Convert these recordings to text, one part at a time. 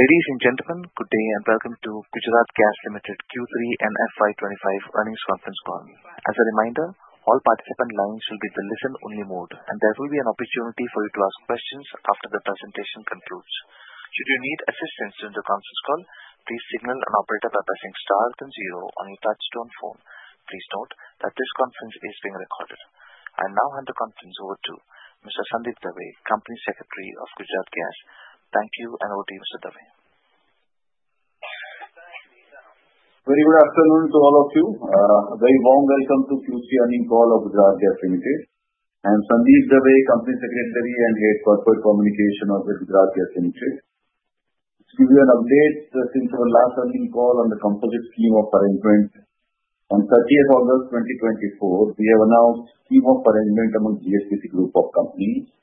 Ladies and gentlemen, good day and welcome to Gujarat Gas Limited Q3 and FY25 Earnings Conference Call. As a reminder, all participant lines will be in the listen-only mode, and there will be an opportunity for you to ask questions after the presentation concludes. Should you need assistance during the conference call, please signal an operator by pressing star then zero on your touch-tone phone. Please note that this conference is being recorded. I now hand the conference over to Mr. Sandeep Dave, Company Secretary of Gujarat Gas. Thank you and over to you, Mr. Dave. Very good afternoon to all of you. A very warm welcome to Q3 earnings call of Gujarat Gas Limited. I am Sandeep Dave, Company Secretary and Head Corporate Communication of Gujarat Gas Limited. To give you an update, since our last earnings call on the composite scheme of arrangement on 30th August 2024, we have announced the scheme of arrangement among GSPC Group of Companies.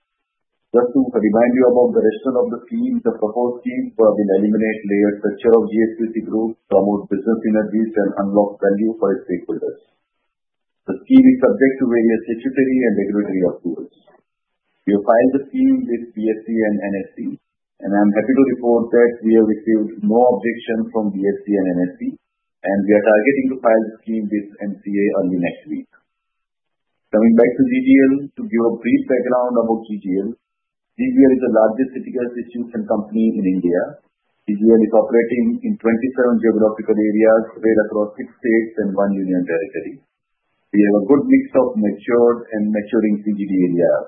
Just to remind you about the rest of the scheme, the proposed scheme will eliminate layered structure of GSPC Group, promote business synergies, and unlock value for its stakeholders. The scheme is subject to various statutory and regulatory approvals. We have filed the scheme with BSE and NSE, and I am happy to report that we have received no objections from BSE and NSE, and we are targeting to file the scheme with MCA early next week. Coming back to GGL, to give a brief background about GGL, GGL is the largest city gas distribution company in India. GGL is operating in 27 geographical areas spread across six states and one union territory. We have a good mix of matured and maturing CGD areas.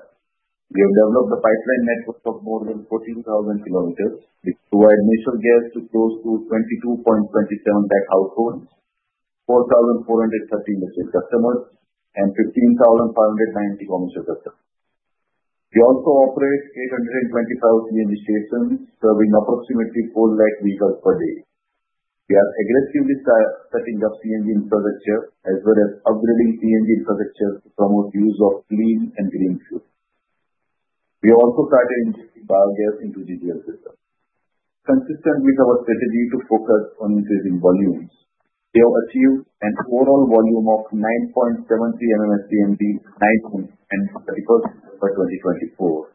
We have developed a pipeline network of more than 14,000 km, which provides natural gas to close to 22.27 lakh households, 4,430 industrial customers, and 15,590 commercial customers. We also operate 825 CNG stations, serving approximately 4 lakh vehicles per day. We are aggressively setting up CNG infrastructure as well as upgrading CNG infrastructure to promote the use of clean and green fuels. We have also started injecting biogas into GGL system. Consistent with our strategy to focus on increasing volumes, we have achieved an overall volume of 9.73 MMSCMD as on 31st December 2024,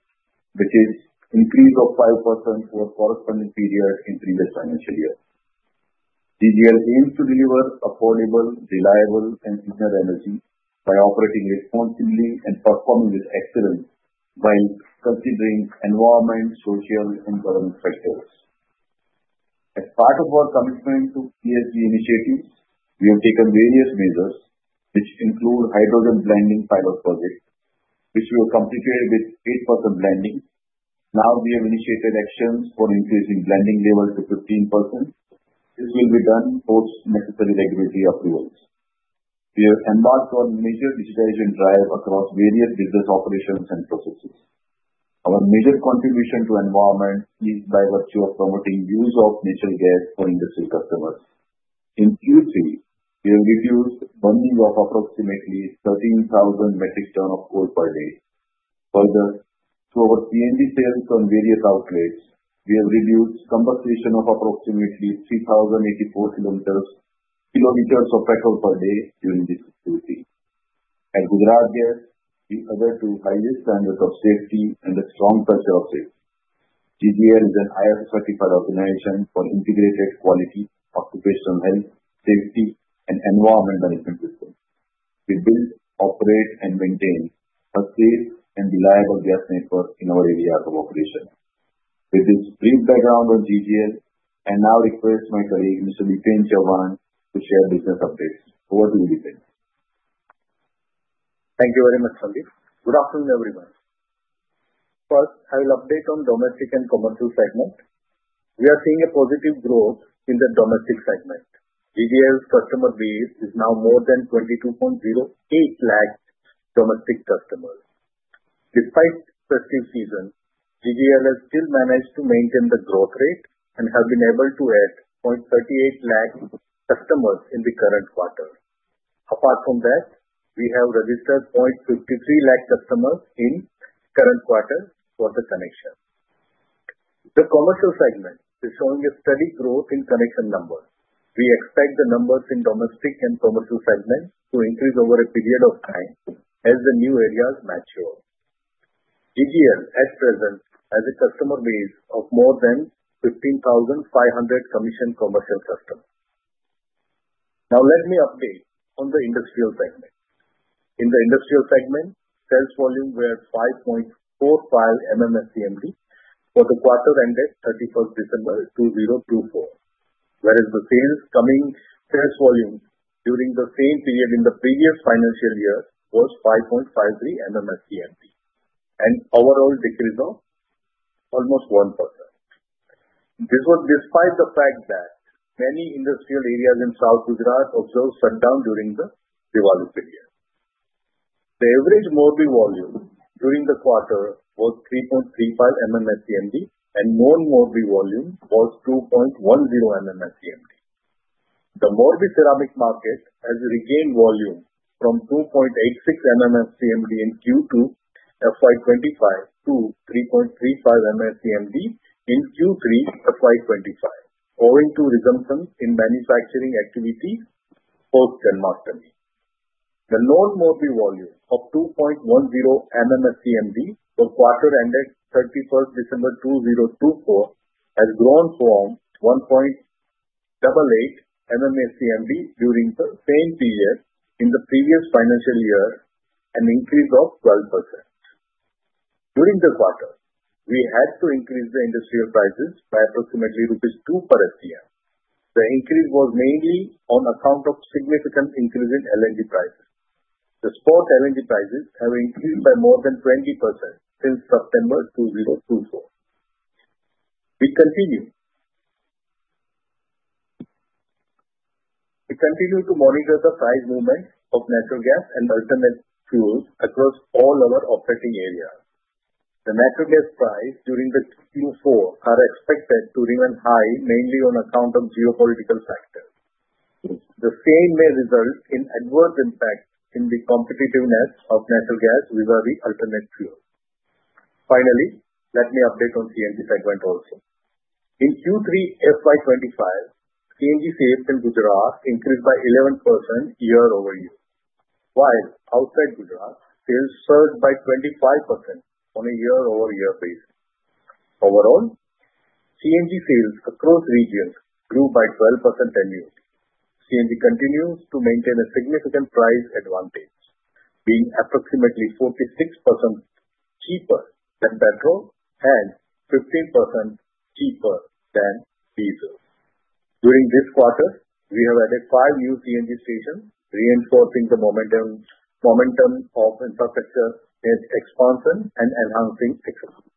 which is an increase of 5% for the corresponding period in the previous financial year. GGL aims to deliver affordable, reliable, and cleaner energy by operating responsibly and performing with excellence while considering environmental, social, and governance factors. As part of our commitment to ESG initiatives, we have taken various measures, which include hydrogen blending pilot projects, which we have completed with 8% blending. Now, we have initiated actions for increasing blending level to 15%. This will be done post necessary regulatory approvals. We have embarked on a major digitization drive across various business operations and processes. Our major contribution to the environment is by virtue of promoting the use of natural gas for industrial customers. In Q3, we have reduced the burning of approximately 13,000 metric tons of coal per day. Further, through our CNG sales on various outlets, we have reduced the combustion of approximately 3,084 km of petrol per day during this activity. At Gujarat Gas, we adhere to the two highest standards of safety and a strong culture of safety. GGL is an ISO-certified organization for integrated quality, occupational health, safety, and environment management systems. We build, operate, and maintain a safe and reliable gas network in our areas of operation. With this brief background on GGL, I now request my colleague, Mr. Dipen Chauhan, to share business updates. Over to you, Dipen. Thank you very much, Sandeep. Good afternoon, everyone. First, I will update on the domestic and commercial segment. We are seeing a positive growth in the domestic segment. GGL's customer base is now more than 22.08 lakh domestic customers. Despite the festive season, GGL has still managed to maintain the growth rate and has been able to add 0.38 lakh customers in the current quarter. Apart from that, we have registered 0.53 lakh customers in the current quarter for the connection. The commercial segment is showing a steady growth in connection numbers. We expect the numbers in the domestic and commercial segments to increase over a period of time as the new areas mature. GGL, at present, has a customer base of more than 15,500 commissioned commercial customers. Now, let me update on the industrial segment. In the industrial segment, sales volume was 5.45 MMSCMD for the quarter ended 31st December 2024, whereas the sales volume during the same period in the previous financial year was 5.53 MMSCMD, an overall decrease of almost 1%. This was despite the fact that many industrial areas in South Gujarat observed shutdown during the Diwali period. The average Morbi volume during the quarter was 3.35 MMSCMD, and known Morbi volume was 2.10 MMSCMD. The Morbi ceramic market has regained volume from 2.86 MMSCMD in Q2 FY25 to 3.35 MMSCMD in Q3 FY25, owing to resumption in manufacturing activity post-pandemic. The known Morbi volume of 2.10 MMSCMD for the quarter ended 31st December 2024 has grown from 1.88 MMSCMD during the same period in the previous financial year, an increase of 12%. During the quarter, we had to increase the industrial prices by approximately rupees 2 per SCM. The increase was mainly on account of the significant increase in LNG prices. The spot LNG prices have increased by more than 20% since September 2024. We continue to monitor the price movement of natural gas and alternate fuels across all our operating areas. The natural gas prices during Q4 are expected to remain high mainly on account of geopolitical factors. The same may result in adverse impacts in the competitiveness of natural gas with other alternate fuels. Finally, let me update on the CNG segment also. In Q3 FY25, CNG sales in Gujarat increased by 11% year over year, while outside Gujarat, sales surged by 25% on a year-over-year basis. Overall, CNG sales across regions grew by 12% annually. CNG continues to maintain a significant price advantage, being approximately 46% cheaper than petrol and 15% cheaper than diesel. During this quarter, we have added five new CNG stations, reinforcing the momentum of infrastructure expansion and enhancing accessibility.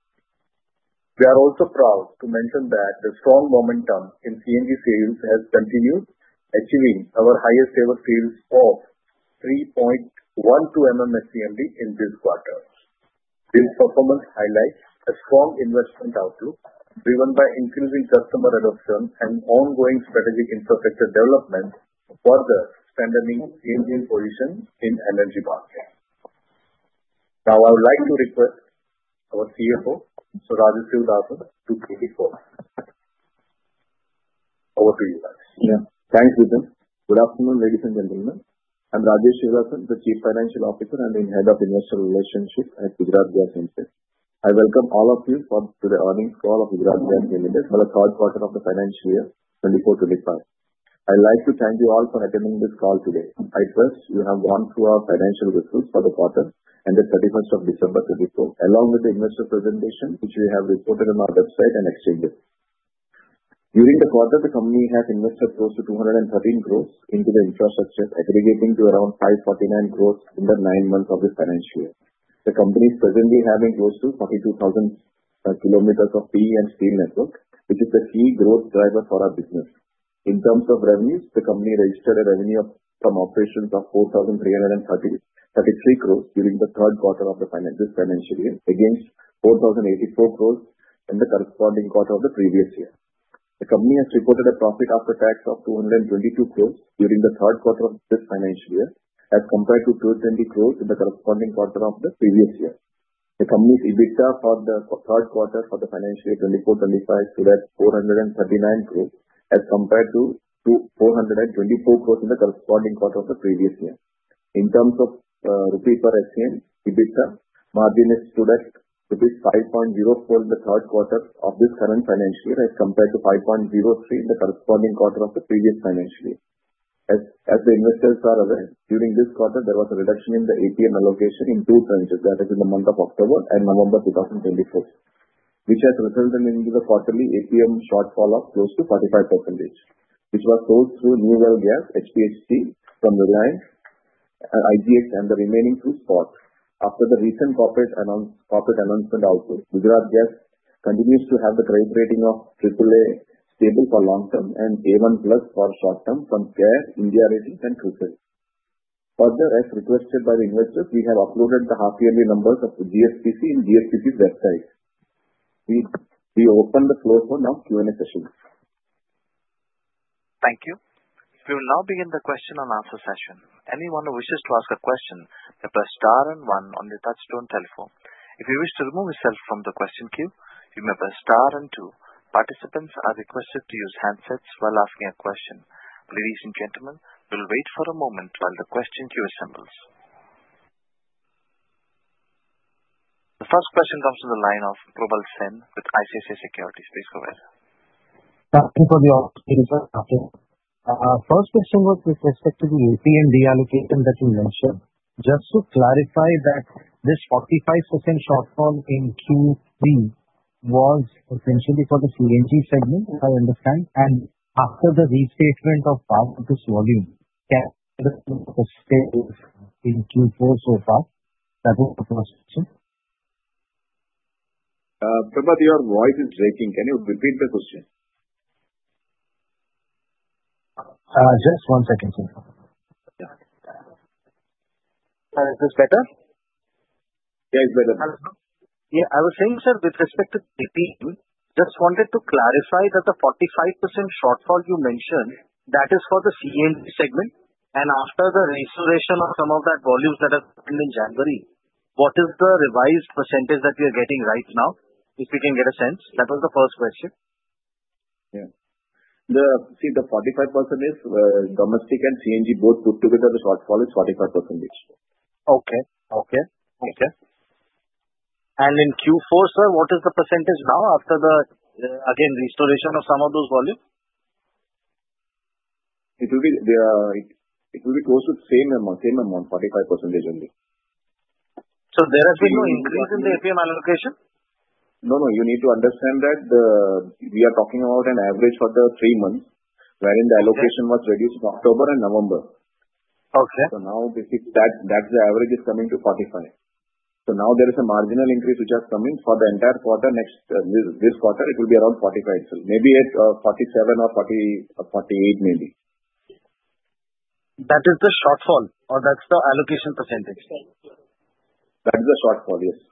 We are also proud to mention that the strong momentum in CNG sales has continued, achieving our highest-ever sales of 3.12 MMSCMD in this quarter. This performance highlights a strong investment outlook driven by increasing customer adoption and ongoing strategic infrastructure development, further strengthening CNG's position in the energy market. Now, I would like to request our CFO, Mr. Rajesh Sivadasan, to take the floor. Over to you, Rajesh. Yeah, thanks, Dipen. Good afternoon, ladies and gentlemen. I'm Rajesh Sivadasan, the Chief Financial Officer and the Head of Industrial Relationship at Gujarat Gas Limited. I welcome all of you to the earnings call of Gujarat Gas Limited for the third quarter of the financial year 2024-2025. I'd like to thank you all for attending this call today. I trust you have gone through our financial results for the quarter ended 31st December 2024, along with the investor presentation, which we have reported on our website and exchanges. During the quarter, the company has invested close to 213 crores into the infrastructure, aggregating to around 549 crores in the nine months of this financial year. The company is presently having close to 42,000 km of PE and steel network, which is a key growth driver for our business. In terms of revenues, the company registered a revenue from operations of 4,333 crores during the third quarter of this financial year, against 4,084 crores in the corresponding quarter of the previous year. The company has reported a profit after tax of 222 crores during the third quarter of this financial year, as compared to 220 crores in the corresponding quarter of the previous year. The company's EBITDA for the third quarter for the financial year 2024-2025 stood at 439 crores, as compared to 424 crores in the corresponding quarter of the previous year. In terms of rupee per SCM, EBITDA margin stood at 5.04 in the third quarter of this current financial year, as compared to 5.03 MMSCMD in the corresponding quarter of the previous financial year. As the investors are aware, during this quarter, there was a reduction in the APM allocation in two tranches, that is, in the month of October and November 2024, which has resulted in the quarterly APM shortfall of close to 45%, which was sold through New Well Gas, HPHT, from Reliance, IGX, and the remaining through Spot. After the recent corporate announcement also, Gujarat Gas continues to have the credit rating of AAA stable for long term and A1+ for short term from CARE, India Ratings, and CRISIL. Further, as requested by the investors, we have uploaded the half-yearly numbers on GSPC's website. We now open the floor for Q&A session. Thank you. We will now begin the question and answer session. Anyone who wishes to ask a question may press star and one on the touchstone telephone. If you wish to remove yourself from the question queue, you may press star and two. Participants are requested to use handsets while asking a question. Ladies and gentlemen, we'll wait for a moment while the question queue assembles. The first question comes from the line of Probal Sen with ICICI Securities. Please go ahead. Thank you for the opportunity, sir. First question was with respect to the APM reallocation that you mentioned. Just to clarify that this 45% shortfall in Q3 was essentially for the CNG segment, as I understand, and after the restatement of part of this volume, can this stay in Q4 so far? That was the first question. Probal, your voice is breaking. Can you repeat the question? Just one second, sir. Is it better? Yeah, it's better. Yeah, I was saying, sir, with respect to APM, just wanted to clarify that the 45% shortfall you mentioned, that is for the CNG segment, and after the restoration of some of that volumes that has happened in January, what is the revised percentage that we are getting right now, if we can get a sense? That was the first question. Yeah. See, the 45% is domestic and CNG both put together. The shortfall is 45% each. Okay. Okay. Okay. And in Q4, sir, what is the percentage now after the, again, restoration of some of those volumes? It will be close to the same amount, same amount, 45% only. So there has been no increase in the APM allocation? No, no. You need to understand that we are talking about an average for the three months, wherein the allocation was reduced in October and November. Okay. So now, basically, that's the average is coming to 45. So now there is a marginal increase which has come in for the entire quarter. Next this quarter, it will be around 45, maybe at 47 or 48, maybe. That is the shortfall, or that's the allocation percentage? That is the shortfall, yes.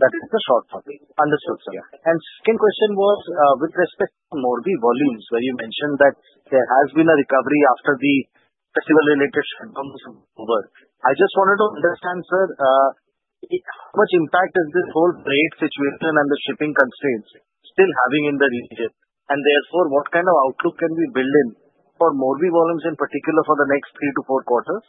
That is the shortfall. Understood, sir. And the second question was with respect to Morbi volumes, where you mentioned that there has been a recovery after the festival-related shortfall was over. I just wanted to understand, sir, how much impact is this whole freight situation and the shipping constraints still having in the region? And therefore, what kind of outlook can we build in for Morbi volumes in particular for the next three to four quarters?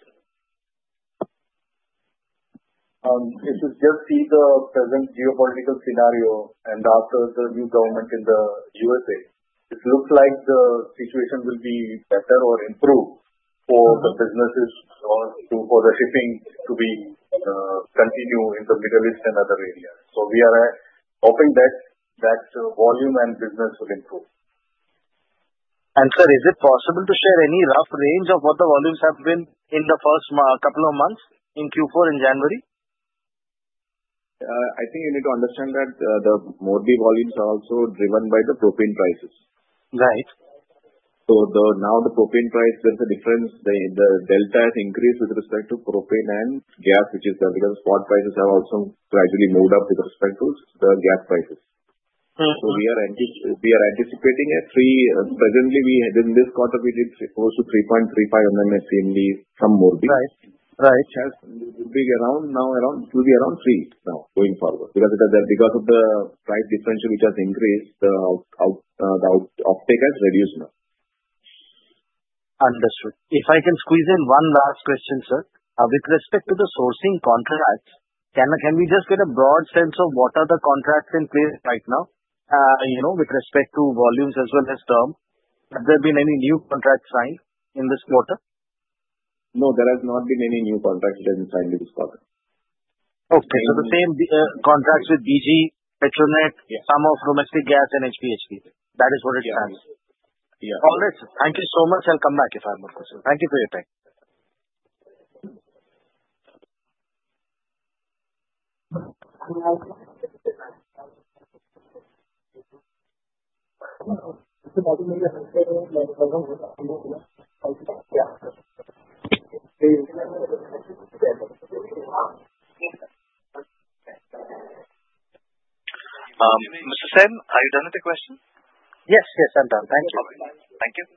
If you just see the present geopolitical scenario and after the new government in the USA, it looks like the situation will be better or improved for the businesses or for the shipping to be continued in the Middle East and other areas. So we are hoping that volume and business will improve. Sir, is it possible to share any rough range of what the volumes have been in the first couple of months in Q4 in January? I think you need to understand that the Morbi volumes are also driven by the propane prices. Right. So now the propane price, there's a difference. The delta has increased with respect to propane and gas, which is because spot prices have also gradually moved up with respect to the gas prices. So we are anticipating at three presently. In this quarter, we did close to 3.35 MMSCMD from Morbi. Right. Right. Which will be around three now going forward because of the price differential which has increased. The uptake has reduced now. Understood. If I can squeeze in one last question, sir, with respect to the sourcing contracts, can we just get a broad sense of what are the contracts in place right now with respect to volumes as well as term? Have there been any new contracts signed in this quarter? No, there has not been any new contracts that have been signed in this quarter. The same contracts with BG, Petronet, some of domestic gas, and HPHT. That is what it stands for. Yeah. All right. Thank you so much. I'll come back if I have more questions. Thank you for your time. Mr. Sen, are you done with the question? Yes. Yes, I'm done. Thank you. Thank you.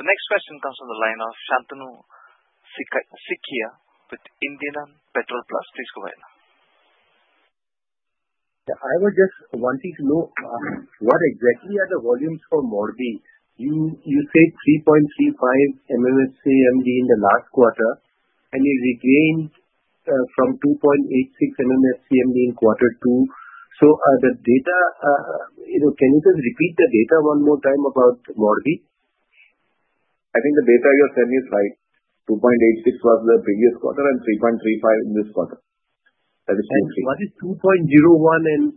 The next question comes from the line of Santanu Saikia with IndianPetroplus. Please go ahead. Yeah, I was just wanting to know what exactly are the volumes for Morbi? You said 3.35 MMSCMD in the last quarter, and it regained from 2.86 MMSCMD in quarter two. So the data, can you just repeat the data one more time about Morbi? I think the data you are sending is right. 2.86 MMSCMD was the previous quarter and 3.35 MMSCMD in this quarter. That is 2.3 MMSCMD. What is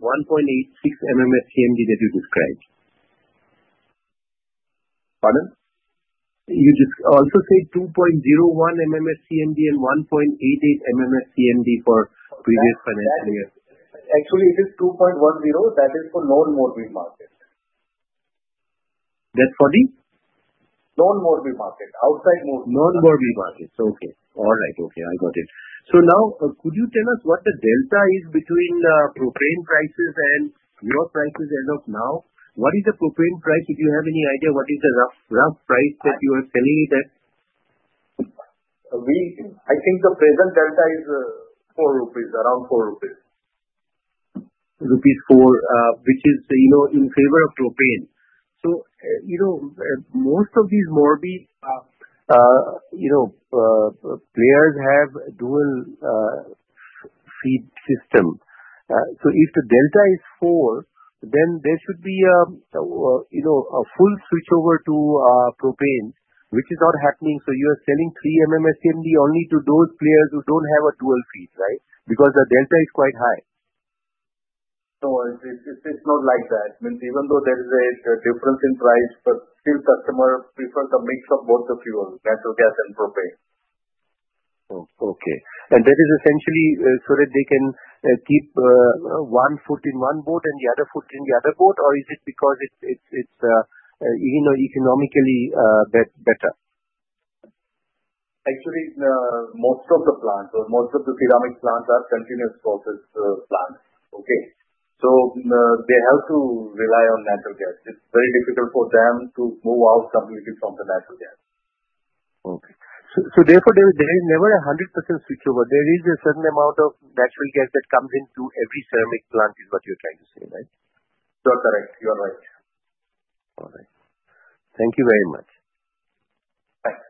2.01 MMSCMD and 1.86 MMSCMD that you described? Pardon? You also said 2.01 MMSCMD and 1.88 MMSCMD for the previous financial year. Actually, it is 2.10 MMSCMD. That is for non-Morbi market. That's for the? Non-Morbi market. Outside Morbi. Non-Morbi market. Okay. All right. Okay. I got it. So now, could you tell us what the delta is between the propane prices and your prices as of now? What is the propane price? If you have any idea what is the rough price that you are telling me there? I think the present delta is around 4 rupees. Rupees 4, which is in favor of propane. So most of these Morbi players have dual feed system. So if the delta is 4, then there should be a full switchover to propane, which is not happening. So you are selling 3 MMSCMD only to those players who don't have a dual feed, right? Because the delta is quite high. No, it's not like that. Even though there is a difference in price, but still customers prefer the mix of both the fuels, natural gas and propane. Okay. And that is essentially so that they can keep one foot in one boat and the other foot in the other boat, or is it because it's economically better? Actually, most of the plants, most of the ceramic plants are continuous process plants. Okay, so they have to rely on natural gas. It's very difficult for them to move out completely from the natural gas. Okay. So therefore, there is never a 100% switchover. There is a certain amount of natural gas that comes into every ceramic plant, is what you're trying to say, right? You are correct. You are right. All right. Thank you very much. Thanks.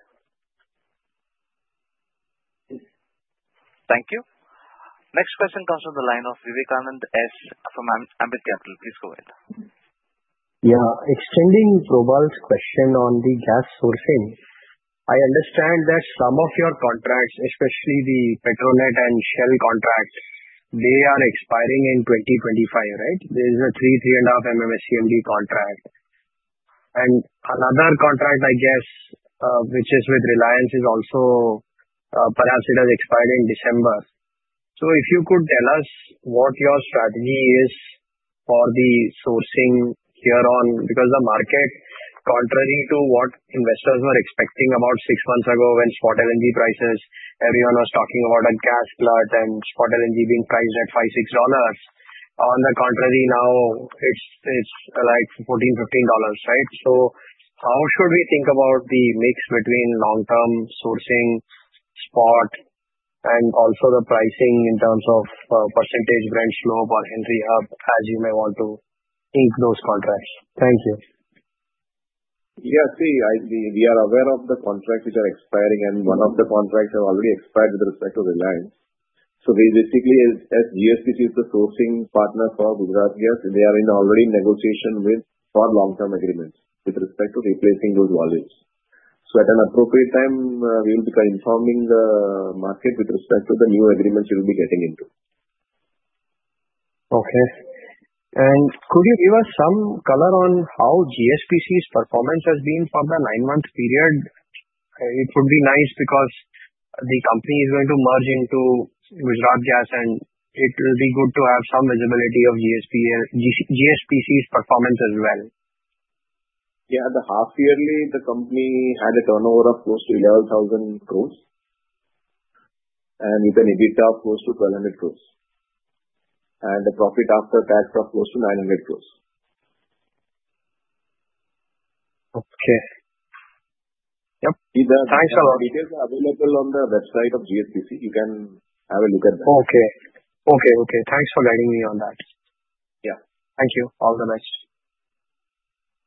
Thank you. Next question comes from the line of Vivekanand S from Ambit Capital. Please go ahead. Yeah. Extending Probal's question on the gas sourcing, I understand that some of your contracts, especially the Petronet and Shell contracts, they are expiring in 2025, right? There is a 3 MMSCMD-3.5 MMSCMD contract. And another contract, I guess, which is with Reliance, is also perhaps it has expired in December. So if you could tell us what your strategy is for the sourcing here on, because the market, contrary to what investors were expecting about six months ago when spot LNG prices, everyone was talking about a gas glut and spot LNG being priced at $5-$6. On the contrary, now it's like $14-$15, right? So how should we think about the mix between long-term sourcing, spot, and also the pricing in terms of percentage gas slope or Henry Hub as you may want to ink those contracts? Thank you. Yeah. See, we are aware of the contracts which are expiring, and one of the contracts has already expired with respect to Reliance. So basically, as GSPC is the sourcing partner for Gujarat Gas, they are already in negotiation for long-term agreements with respect to replacing those volumes. So at an appropriate time, we will be informing the market with respect to the new agreements we will be getting into. Okay, and could you give us some color on how GSPC's performance has been for the nine-month period? It would be nice because the company is going to merge into Gujarat Gas, and it will be good to have some visibility of GSPC's performance as well. Yeah. The half-yearly, the company had a turnover of close to 11,000 crores, and with an EBITDA of close to 1,200 crores, and the profit after tax of close to 900 crores. Okay. Yep. Thanks a lot. The details are available on the website of GSPC. You can have a look at that. Okay. Thanks for guiding me on that. Yeah. Thank you. All the best.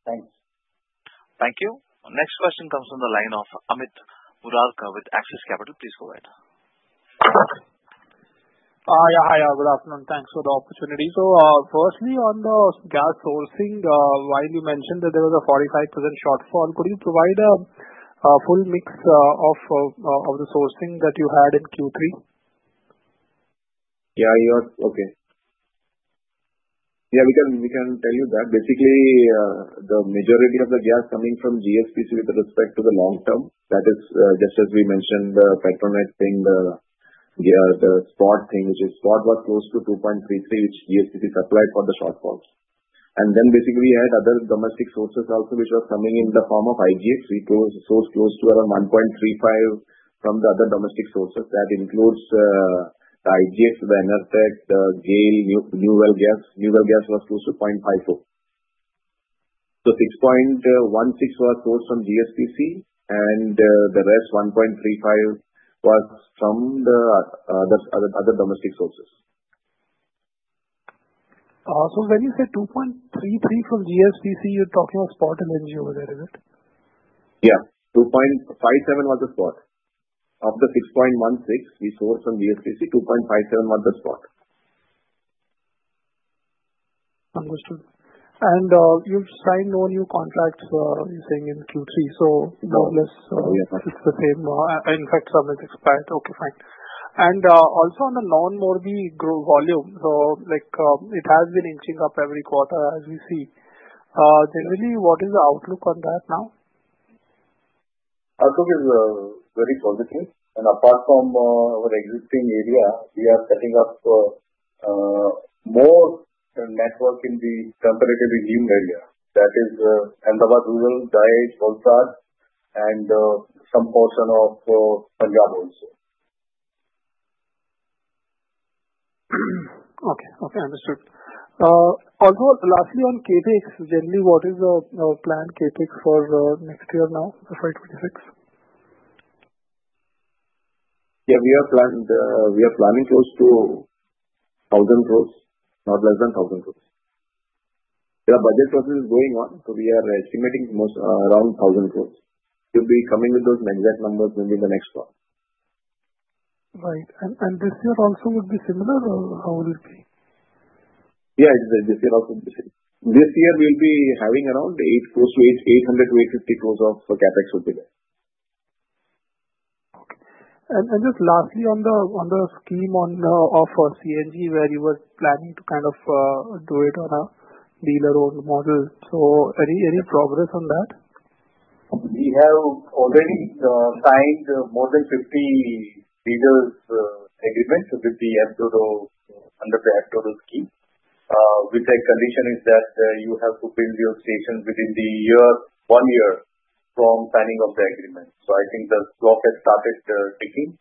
Thanks. Thank you. Next question comes from the line of Amit Murarka with Axis Capital. Please go ahead. Yeah. Hi. Good afternoon. Thanks for the opportunity. So firstly, on the gas sourcing, while you mentioned that there was a 45% shortfall, could you provide a full mix of the sourcing that you had in Q3? Yeah. Okay. Yeah. We can tell you that. Basically, the majority of the gas coming from GSPC with respect to the long-term, that is just as we mentioned, the Petronet thing, the spot thing, which is spot was close to 2.33 MMSCMD, which GSPC supplied for the shortfall, and then basically, we had other domestic sources also which were coming in the form of IGX. We sourced close to around 1.35 MMSCMD from the other domestic sources. That includes the IGX, the Enertech, the GAIL, New Well Gas. New Well Gas was close to 0.54 MMSCMD. So 6.16 MMSCMD was sourced from GSPC, and the rest 1.35 MMSCMD was from the other domestic sources. When you say 2.33 MMSCMD from GSPC, you're talking of spot LNG over there, is it? Yeah. 2.57 MMSCMD was the spot. Of the 6.16 we sourced from GSPC, 2.57 MMSCMD was the spot. Understood. And you've signed no new contracts, you're saying, in Q3. So more or less, it's the same. In fact, some have expired. Okay. Fine. And also on the non-Morbi volume, so it has been inching up every quarter as we see. Generally, what is the outlook on that now? Outlook is very positive. And apart from our existing area, we are setting up more network in the temporarily new area. That is Ahmedabad, rural, Dahej, Kolsar, and some portion of Punjab also. Okay. Okay. Understood. Also, lastly, on CapEx, generally, what is the plan, CapEx, for next year now, FY26? Yeah. We are planning close to 1,000 crores, not less than 1,000 crores. The budget process is going on, so we are estimating around 1,000 crores. We'll be coming with those exact numbers maybe in the next quarter. Right, and this year also would be similar, or how will it be? Yeah. This year also will be similar. This year we'll be having around close to 800 crores-850 crores of CapEx would be there. Okay. And just lastly, on the scheme of CNG, where you were planning to kind of do it on a dealer-owned model. So any progress on that? We have already signed more than 50 dealers' agreements with them under the Act 2 scheme, with the condition that you have to build your station within one year from signing of the agreement. I think the clock has started ticking.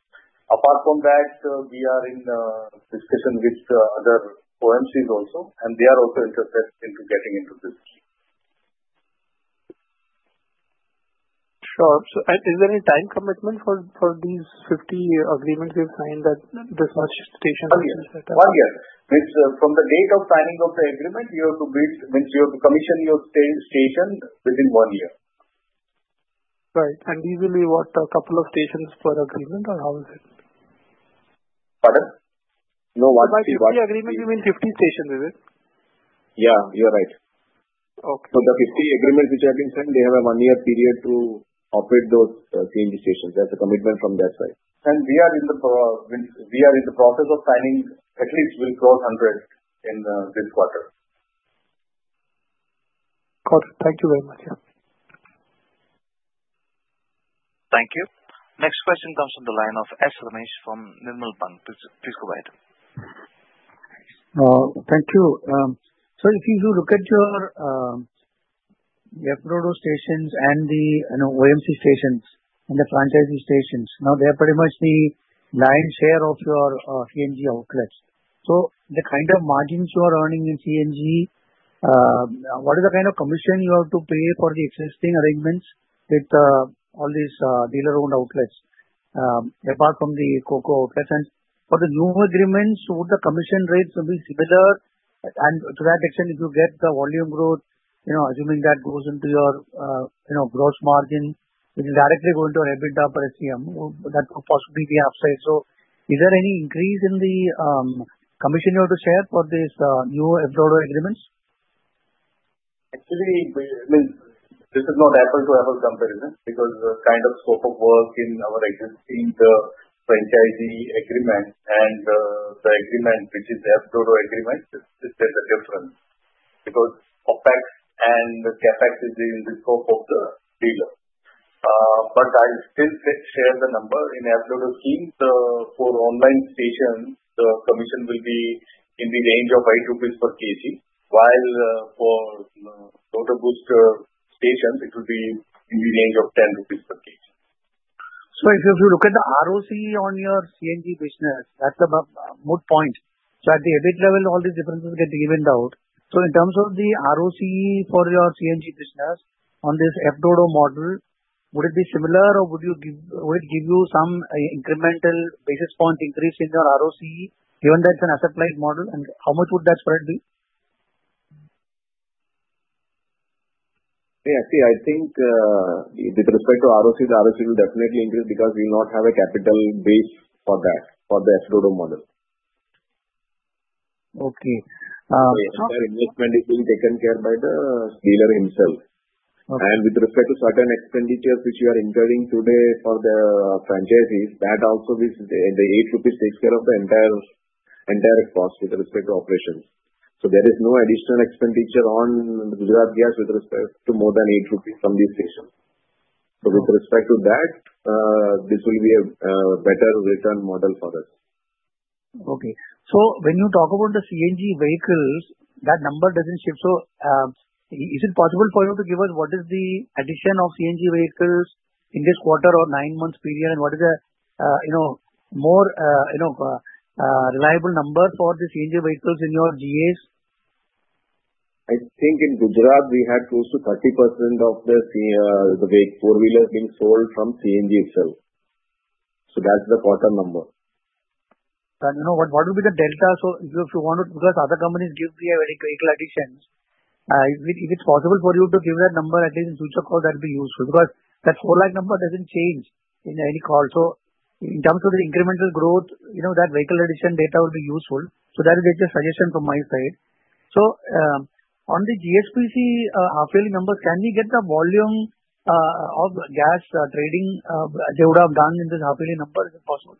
Apart from that, we are in discussion with other OMCs also, and they are also interested in getting into this scheme. Sure. So is there any time commitment for these 50 agreements you've signed that this CNG station is set up? One year. From the date of signing of the agreement, you have to build, means you have to commission your station within one year. Right. And these will be what, a couple of stations per agreement, or how is it? Pardon? No. One field. By 50 agreement, you mean 50 stations, is it? Yeah. You are right. Okay. The 50 agreements which have been signed, they have a one-year period to operate those CNG stations. That's the commitment from their side. We are in the process of signing. At least we'll close 100 in this quarter. Got it. Thank you very much. Yeah. Thank you. Next question comes from the line of S. Ramesh from Nirmal Bang. Please go ahead. Thank you. So if you look at your Petronet stations and the OMC stations and the franchisee stations, now they are pretty much the lion's share of your CNG outlets. So the kind of margins you are earning in CNG, what is the kind of commission you have to pay for the existing arrangements with all these dealer-owned outlets apart from the COCO outlets? And for the new agreements, would the commission rates be similar? And to that extent, if you get the volume growth, assuming that goes into your gross margin, it will directly go into your EBITDA per SCM. That would possibly be an upside. So is there any increase in the commission you have to share for these new Petronet agreements? Actually, I mean, this is not apples to apples comparison because the kind of scope of work in our existing franchisee agreement and the agreement which is the Petronet agreement, there's a difference because OpEx and CapEx is in the scope of the dealer. But I'll still share the number. In the Petronet scheme, for online stations, the commission will be in the range of 8 rupees per kg, while for the Daughter Booster stations, it will be in the range of 10 rupees per kg. So if you look at the ROCE on your CNG business, that's the moot point. So at the EBIT level, all these differences get evened out. So in terms of the ROCE for your CNG business on this Petronet model, would it be similar, or would it give you some incremental basis point increase in your ROCE, given that it's an asset-pled model? And how much would that spread be? Yeah. See, I think with respect to ROCE, the ROCE will definitely increase because we'll not have a capital base for that, for the Petronet model. Okay. So. The entire investment is being taken care of by the dealer himself. And with respect to certain expenditures which we are incurring today for the franchisees, that also with the 8 rupees takes care of the entire cost with respect to operations. So there is no additional expenditure on Gujarat Gas with respect to more than 8 rupees from these stations. So with respect to that, this will be a better return model for us. Okay. So when you talk about the CNG vehicles, that number doesn't shift. So is it possible for you to give us what is the addition of CNG vehicles in this quarter or nine-month period, and what is a more reliable number for the CNG vehicles in your GAs? I think in Gujarat, we had close to 30% of the four-wheelers being sold from CNG itself. So that's the quarter number. But what would be the delta? So if you want to, because other companies give the vehicle additions, if it's possible for you to give that number, at least in future calls, that would be useful because that 4 lakh number doesn't change in any call. So in terms of the incremental growth, that vehicle addition data would be useful. So that is just a suggestion from my side. So on the GSPC half-yearly numbers, can we get the volume of gas trading they would have done in this half-yearly number if possible?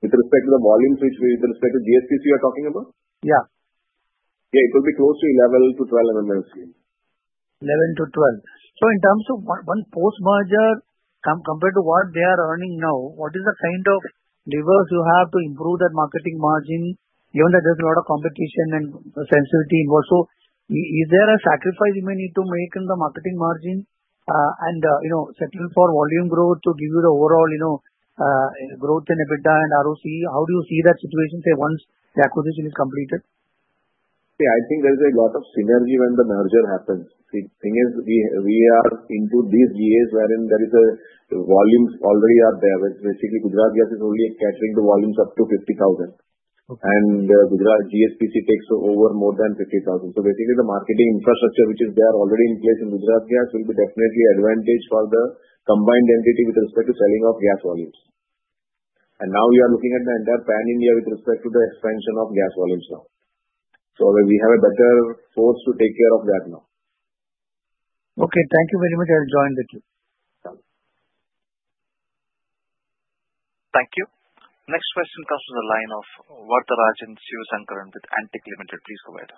With respect to the volumes, which with respect to GSPC you are talking about? Yeah. Yeah. It will be close to 11 MMSCMD-12 MMSCMD. 11 MMSCMD-12 MMSCMD. So in terms of one post-merger, compared to what they are earning now, what is the kind of levers you have to improve that marketing margin, given that there's a lot of competition and sensitivity involved? So is there a sacrifice you may need to make in the marketing margin and settle for volume growth to give you the overall growth in EBITDA and ROCE? How do you see that situation, say, once the acquisition is completed? Yeah. I think there's a lot of synergy when the merger happens. The thing is, we are into these GAs wherein there is a volumes already out there. Basically, Gujarat Gas is only catering to volumes up to 50,000. And Gujarat GSPC takes over more than 50,000. So basically, the marketing infrastructure which is there already in place in Gujarat Gas will be definitely an advantage for the combined entity with respect to selling off gas volumes. And now we are looking at the entire pan-India with respect to the expansion of gas volumes now. So we have a better force to take care of that now. Okay. Thank you very much. I'll join with you. Thank you. Next question comes from the line of Varatharajan Sivasankaran with Antique Stock Broking. Please go ahead.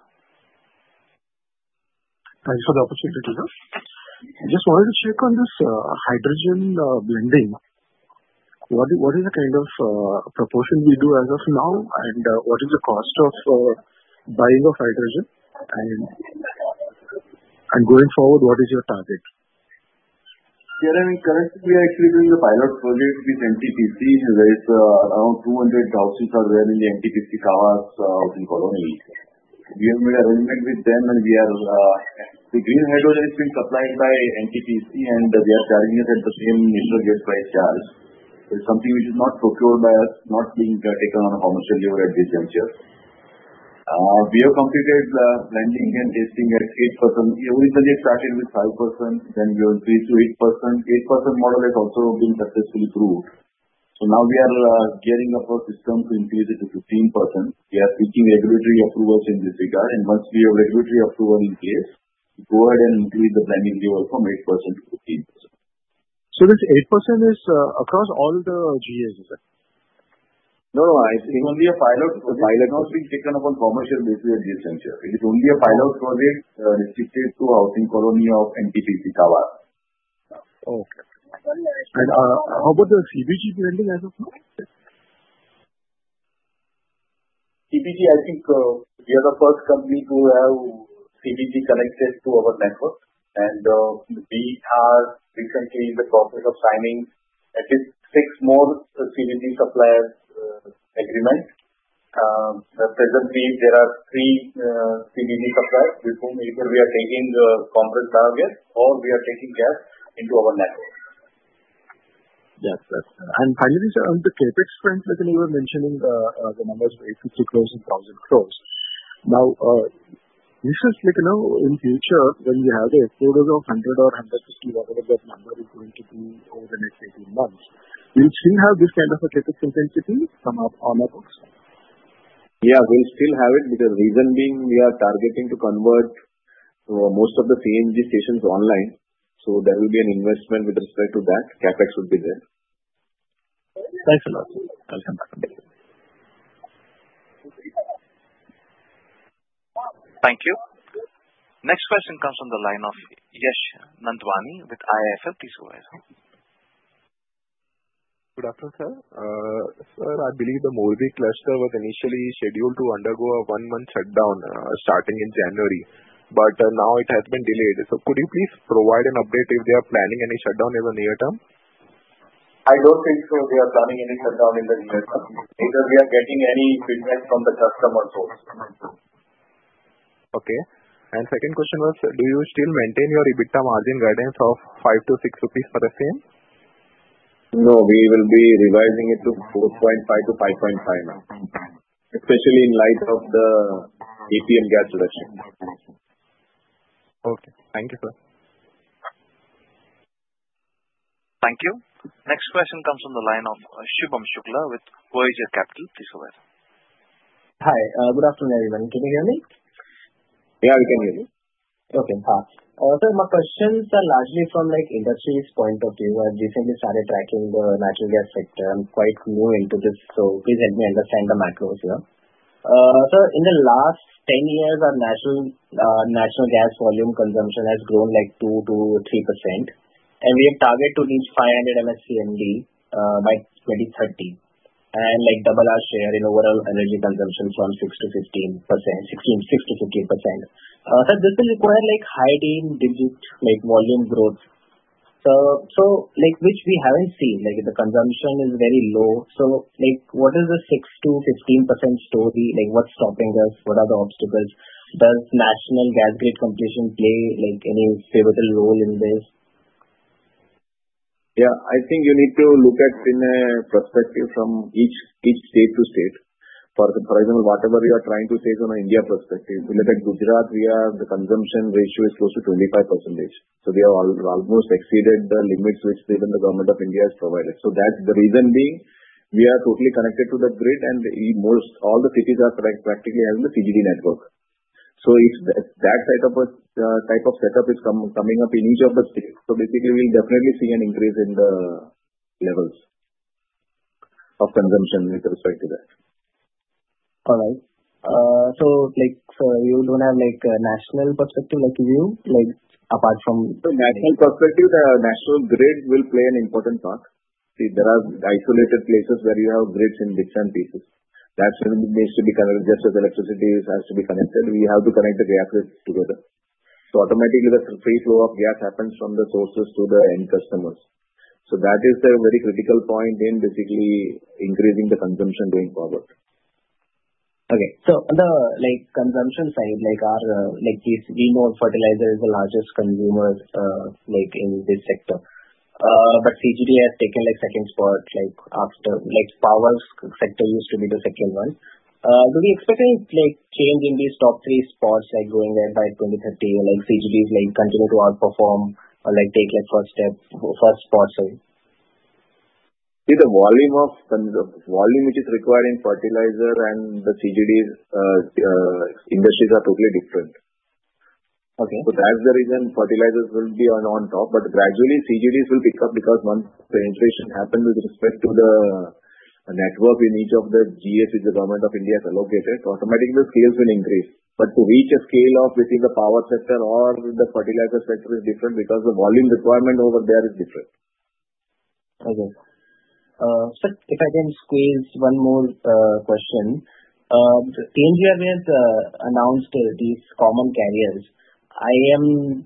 Thanks for the opportunity. I just wanted to check on this hydrogen blending. What is the kind of proportion we do as of now, and what is the cost of buying of hydrogen? And going forward, what is your target? Yeah. I mean, currently, we are actually doing a pilot project with NTPC. There is around 200 houses that were in the NTPC Kawas out in colony. We have made arrangement with them, and the green hydrogen is being supplied by NTPC, and they are charging us at the same initial gas price charge. It's something which is not procured by us, not being taken on a commercial level at this juncture. We have completed the blending and testing at 8%. It was initially started with 5%. Then we went to 8%. The 8% model has also been successfully approved, so now we are gearing up our system to increase it to 15%. We are seeking regulatory approvals in this regard, and once we have regulatory approval in place, we go ahead and increase the blending level from 8% to 15%. So this 8% is across all the GAs, is it? No. No. It's only a pilot project. It's not being taken up on a commercial basis at this juncture. It is only a pilot project restricted to Housing Colony of NTPC Kawas. Okay, and how about the CBG blending as of now? CBG, I think we are the first company to have CBG connected to our network, and we are recently in the process of signing at least six more CBG supplier agreements. Presently, there are three CBG suppliers with whom either we are taking the compressed biogas or we are taking gas into our network. Yes. And finally, sir, on the CapEx front, like you were mentioning, the numbers of 850 crores and 1,000 crores. Now, this is like in future, when we have the explosion of 100 or 150, whatever that number is going to be over the next 18 months, will we still have this kind of a CapEx intensity on our books? Yeah. We'll still have it because the reason being we are targeting to convert most of the CNG stations online. So there will be an investment with respect to that. CapEx would be there. Thanks a lot. I'll come back to you. Thank you. Next question comes from the line of Yash Nandwani with IIFL. Please go ahead. Good afternoon, sir. Sir, I believe the Morbi cluster was initially scheduled to undergo a one-month shutdown starting in January, but now it has been delayed. So could you please provide an update if they are planning any shutdown in the near term? I don't think so, they are planning any shutdown in the near term, neither we are getting any feedback from the customer's side. Okay. And second question was, do you still maintain your EBITDA margin guidance of 5-6 rupees per SCM? No. We will be revising it to 4.5-5.5 now, especially in light of the APM gas reduction. Okay. Thank you, sir. Thank you. Next question comes from the line of Shubham Shukla with Voyager Capital. Please go ahead. Hi. Good afternoon, everyone. Can you hear me? Yeah. We can hear you. Okay. Sir, my questions are largely from industry's point of view. I've recently started tracking the natural gas sector. I'm quite new into this, so please help me understand the macros here. Sir, in the last 10 years, our natural gas volume consumption has grown like 2%-3%. And we have targeted to reach 500 MMSCMD by 2030 and double our share in overall energy consumption from 6%-15%, 6%-15%. Sir, this will require high digit volume growth, which we haven't seen. The consumption is very low. So what is the 6%-15% story? What's stopping us? What are the obstacles? Does national gas grid completion play any pivotal role in this? Yeah. I think you need to look at it in a perspective from each state to state. For example, whatever you are trying to say from an India perspective, look at Gujarat. The consumption ratio is close to 25%. So we have almost exceeded the limits which even the Government of India has provided. So that's the reason being we are totally connected to the grid, and all the cities are practically having the PNG network. So if that type of setup is coming up in each of the states, so basically, we'll definitely see an increase in the levels of consumption with respect to that. All right. So you don't have a national perspective view apart from. National perspective, the national grid will play an important part. There are isolated places where you have grids in bits and pieces. That needs to be connected. Just as electricity has to be connected, we have to connect the gas grid together. So automatically, the free flow of gas happens from the sources to the end customers. So that is the very critical point in basically increasing the consumption going forward. Okay. So on the consumption side, we know fertilizer is the largest consumer in this sector. But CGD has taken second spot after. Power sector used to be the second one. Do we expect any change in these top three spots going ahead by 2030? Will CGDs continue to outperform or take first spot? See, the volume which is required in fertilizer and the CGDs industries are totally different. Okay So that's the reason fertilizers will be on top. But gradually, CGDs will pick up because once penetration happens with respect to the network in each of the GAs which the government of India has allocated, automatically, the scales will increase. But to reach a scale within the power sector or the fertilizer sector is different because the volume requirement over there is different. Okay. Sir, if I can squeeze one more question. PNGRB has announced these common carriers. I'm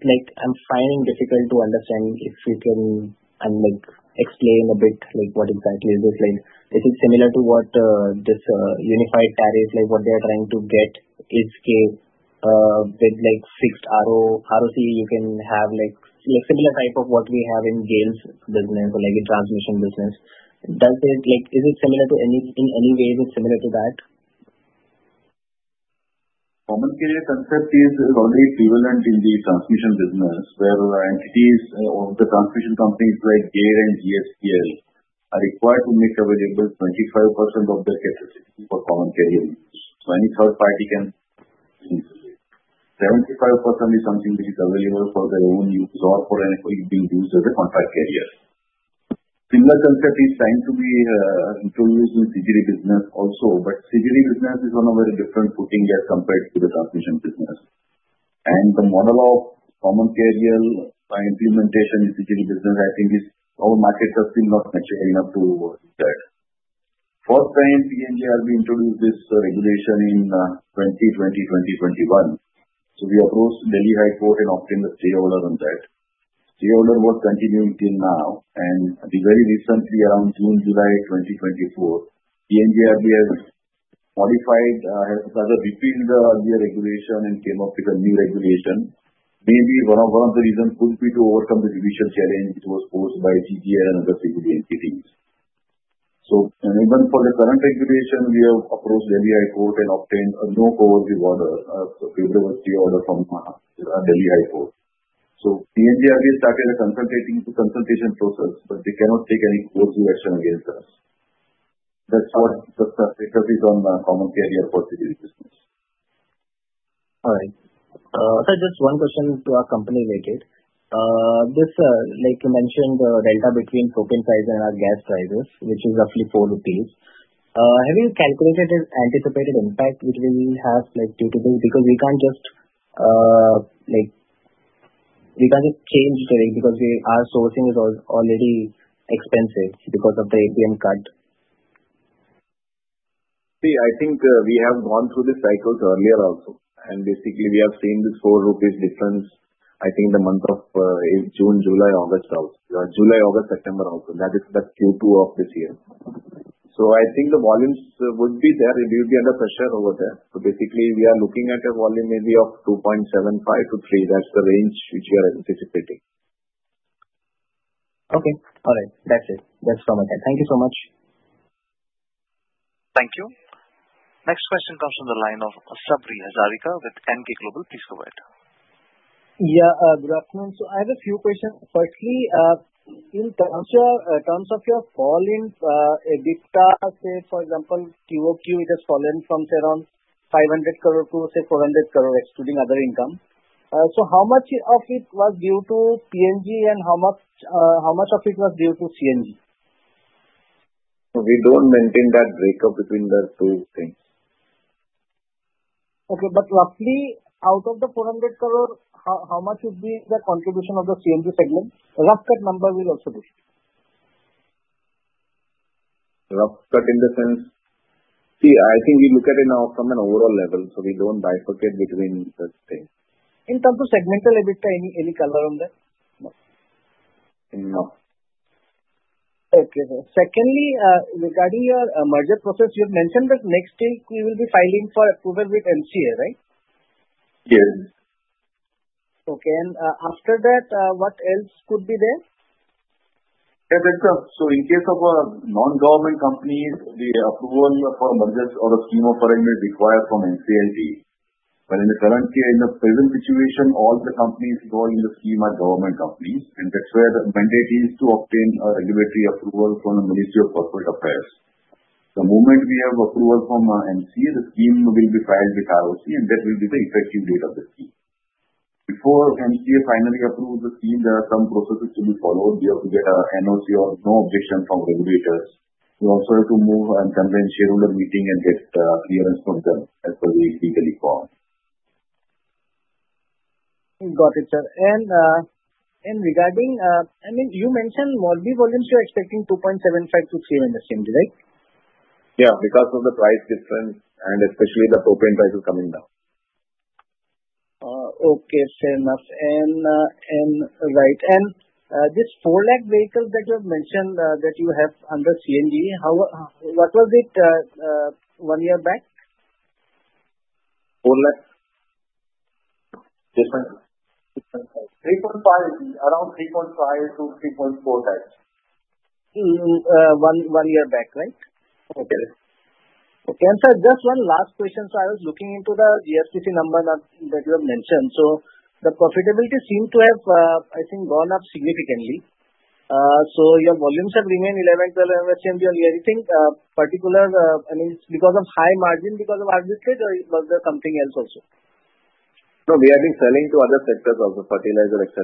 finding it difficult to understand if you can explain a bit what exactly this is. Is it similar to what this unified tariff, what they are trying to get? It's okay with fixed ROC. You can have a similar type of what we have in GAIL's business or in transmission business. Is it similar in any way? Is it similar to that? Common carrier concept is already prevalent in the transmission business, where entities of the transmission companies like GAIL and GSPL are required to make available 25% of their capacity for common carrier use. So any third party can use it. 75% is something which is available for their own use or being used as a contract carrier. Similar concept is trying to be introduced in CGD business also. But CGD business is on a very different footing as compared to the transmission business. And the model of common carrier implementation in CGD business, I think, is our markets are still not mature enough to do that. First time, PNGRB introduced this regulation in 2020, 2021. So we approached Delhi High Court and obtained a stay order on that. Stay order was continuing till now. And very recently, around June, July 2024, PNGRB has modified, has retained the earlier regulation and came up with a new regulation. Maybe one of the reasons could be to overcome the judicial challenge which was posed by GGL and other CGD entities. So even for the current regulation, we have approached Delhi High Court and obtained a no-coercive order, a favorable stay order from Delhi High Court. So PNGRB started a consultation process, but they cannot take any course of action against us. That's what the perspective is on common carrier for CGD business. All right. Sir, just one question to a company related. Like you mentioned, the delta between propane price and our gas prices, which is roughly 4 rupees. Have you calculated anticipated impact which we will have due to this? Because we can't just change it because our sourcing is already expensive because of the APM cut. See, I think we have gone through these cycles earlier also. And basically, we have seen this 4 rupees difference, I think, the month of June, July, August also. July, August, September also. That is the Q2 of this year. So I think the volumes would be there. It will be under pressure over there. So basically, we are looking at a volume maybe of 2.75 MMSCMD-3 MMSCMD. That's the range which we are anticipating. Okay. All right. That's it. That's from my side. Thank you so much. Thank you. Next question comes from the line of Sabri Hazarika with Emkay Global. Please go ahead. Yeah. Good afternoon. So I have a few questions. Firstly, in terms of your fall in EBITDA, say, for example, QOQ, it has fallen from, say, around 500 crore to, say, INR 400 crore, excluding other income. So how much of it was due to PNG, and how much of it was due to CNG? We don't maintain that breakup between the two things. Okay. But roughly, out of the 400 crore, how much would be the contribution of the CNG segment? Rough cut number will also be. Rough cut in the sense? See, I think we look at it from an overall level. So we don't bifurcate between the things. In terms of segmental EBITDA, any color on that? No. No. Okay. Secondly, regarding your merger process, you have mentioned that next week we will be filing for approval with MCA, right? Yes. Okay, and after that, what else could be there? Yes, sir. In case of non-government companies, the approval for a merger or a scheme offering will require from NCLT. But in the current case, in the present situation, all the companies involved in the scheme are government companies. That's where the mandate is to obtain a regulatory approval from the Ministry of Corporate Affairs. The moment we have approval from MCA, the scheme will be filed with ROC, and that will be the effective date of the scheme. Before MCA finally approves the scheme, there are some processes to be followed. We have to get an NOC or no objection from regulators. We also have to move and convene a shareholder meeting and get clearance from them as per the legal requirement. Got it, sir. And regarding, I mean, you mentioned Morbi volumes, you're expecting 2.75 MMSCMD-3 MMSCMD, right? Yeah. Because of the price difference, and especially the propane prices coming down. Okay. Fair enough. And right. And this 4 lakh vehicles that you have mentioned that you have under CNG, what was it one year back? 4 lakh? Yes, ma'am. 3.5 lakh, around 3.5 lakh-3.4 lakh. One year back, right? Yes. Okay. And, sir, just one last question. So I was looking into the GSPC number that you have mentioned. So the profitability seemed to have, I think, gone up significantly. So your volumes have remained 11-12 MMSCMD only. Anything particular, I mean, because of high margin, because of arbitrage, or was there something else also? No. We have been selling to other sectors of the fertilizer, etc.,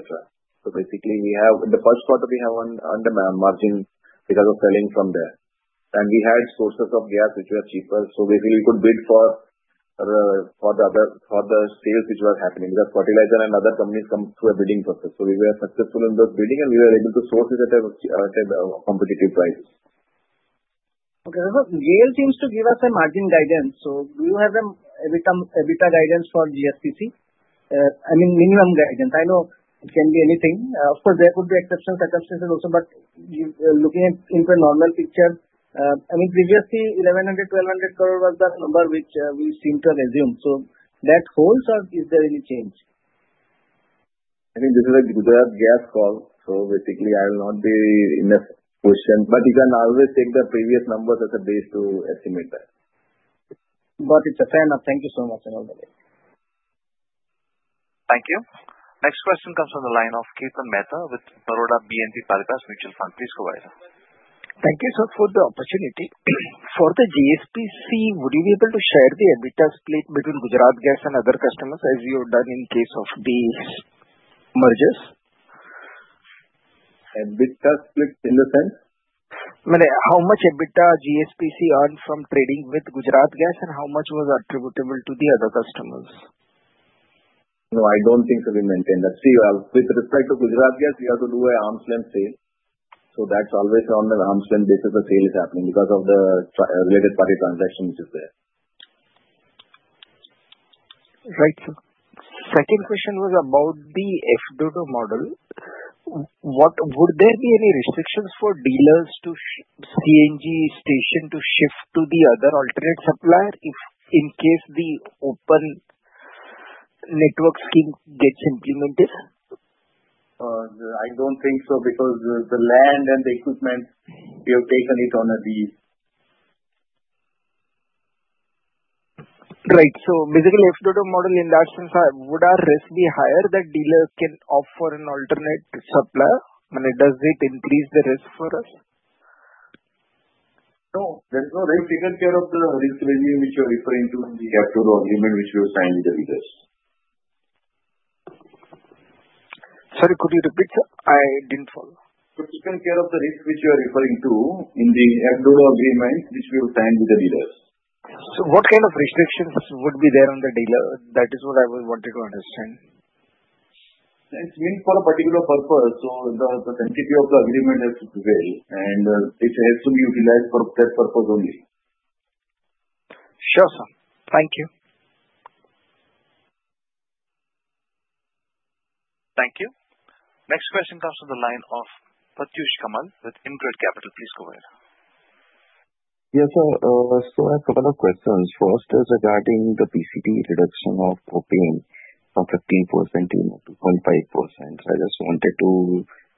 so basically, in the first quarter, we have under margin because of selling from there, and we had sources of gas which were cheaper, so basically, we could bid for the sales which were happening because fertilizer and other companies come through a bidding process, so we were successful in those bidding, and we were able to source it at a competitive price. Okay. GAIL seems to give us a margin guidance. So do you have an EBITDA guidance for GSPC? I mean, minimum guidance. I know it can be anything. Of course, there could be exceptional circumstances also. But looking into a normal picture, I mean, previously, 1,100 crore, 1,200 crore was the number which we seem to have assumed. So that holds, or is there any change? I think this is a Gujarat Gas call. So basically, I will not be in a position. But you can always take the previous numbers as a base to estimate that. Got it. Fair enough. Thank you so much, and all the best. Thank you. Next question comes from the line of Kirtan Mehta with Baroda BNP Paribas Mutual Fund. Please go ahead. Thank you, sir, for the opportunity. For the GSPC, would you be able to share the EBITDA split between Gujarat Gas and other customers as you have done in case of these mergers? EBITDA split in the sense? How much EBITDA GSPC earned from trading with Gujarat Gas, and how much was attributable to the other customers? No. I don't think we maintain that. See, with respect to Gujarat Gas, we have to do an arm's-length sale. So that's always on an arm's-length basis a sale is happening because of the related party transaction which is there. Right, sir. Second question was about the FDD model. Would there be any restrictions for dealers to CNG station to shift to the other alternate supplier in case the open network scheme gets implemented? I don't think so because the land and the equipment, we have taken it on a lease. Right, so basically, FDD model in that sense, would our risk be higher that dealer can offer an alternate supplier? I mean, does it increase the risk for us? No. There's no risk. Taken care of the risk regime which you are referring to in the FDD agreement which we have signed with the dealers. Sorry, could you repeat, sir? I didn't follow. Taken care of the risk which you are referring to in the FDD agreement which we have signed with the dealers. So what kind of restrictions would be there on the dealer? That is what I wanted to understand. It means for a particular purpose. So the sensitivity of the agreement has to prevail, and it has to be utilized for that purpose only. Sure, sir. Thank you. Thank you. Next question comes from the line of Pratyush Kamal with InCred Capital. Please go ahead. Yes, sir. I still have a couple of questions. First is regarding the PCT reduction of propane from 15% to 2.5%. I just wanted to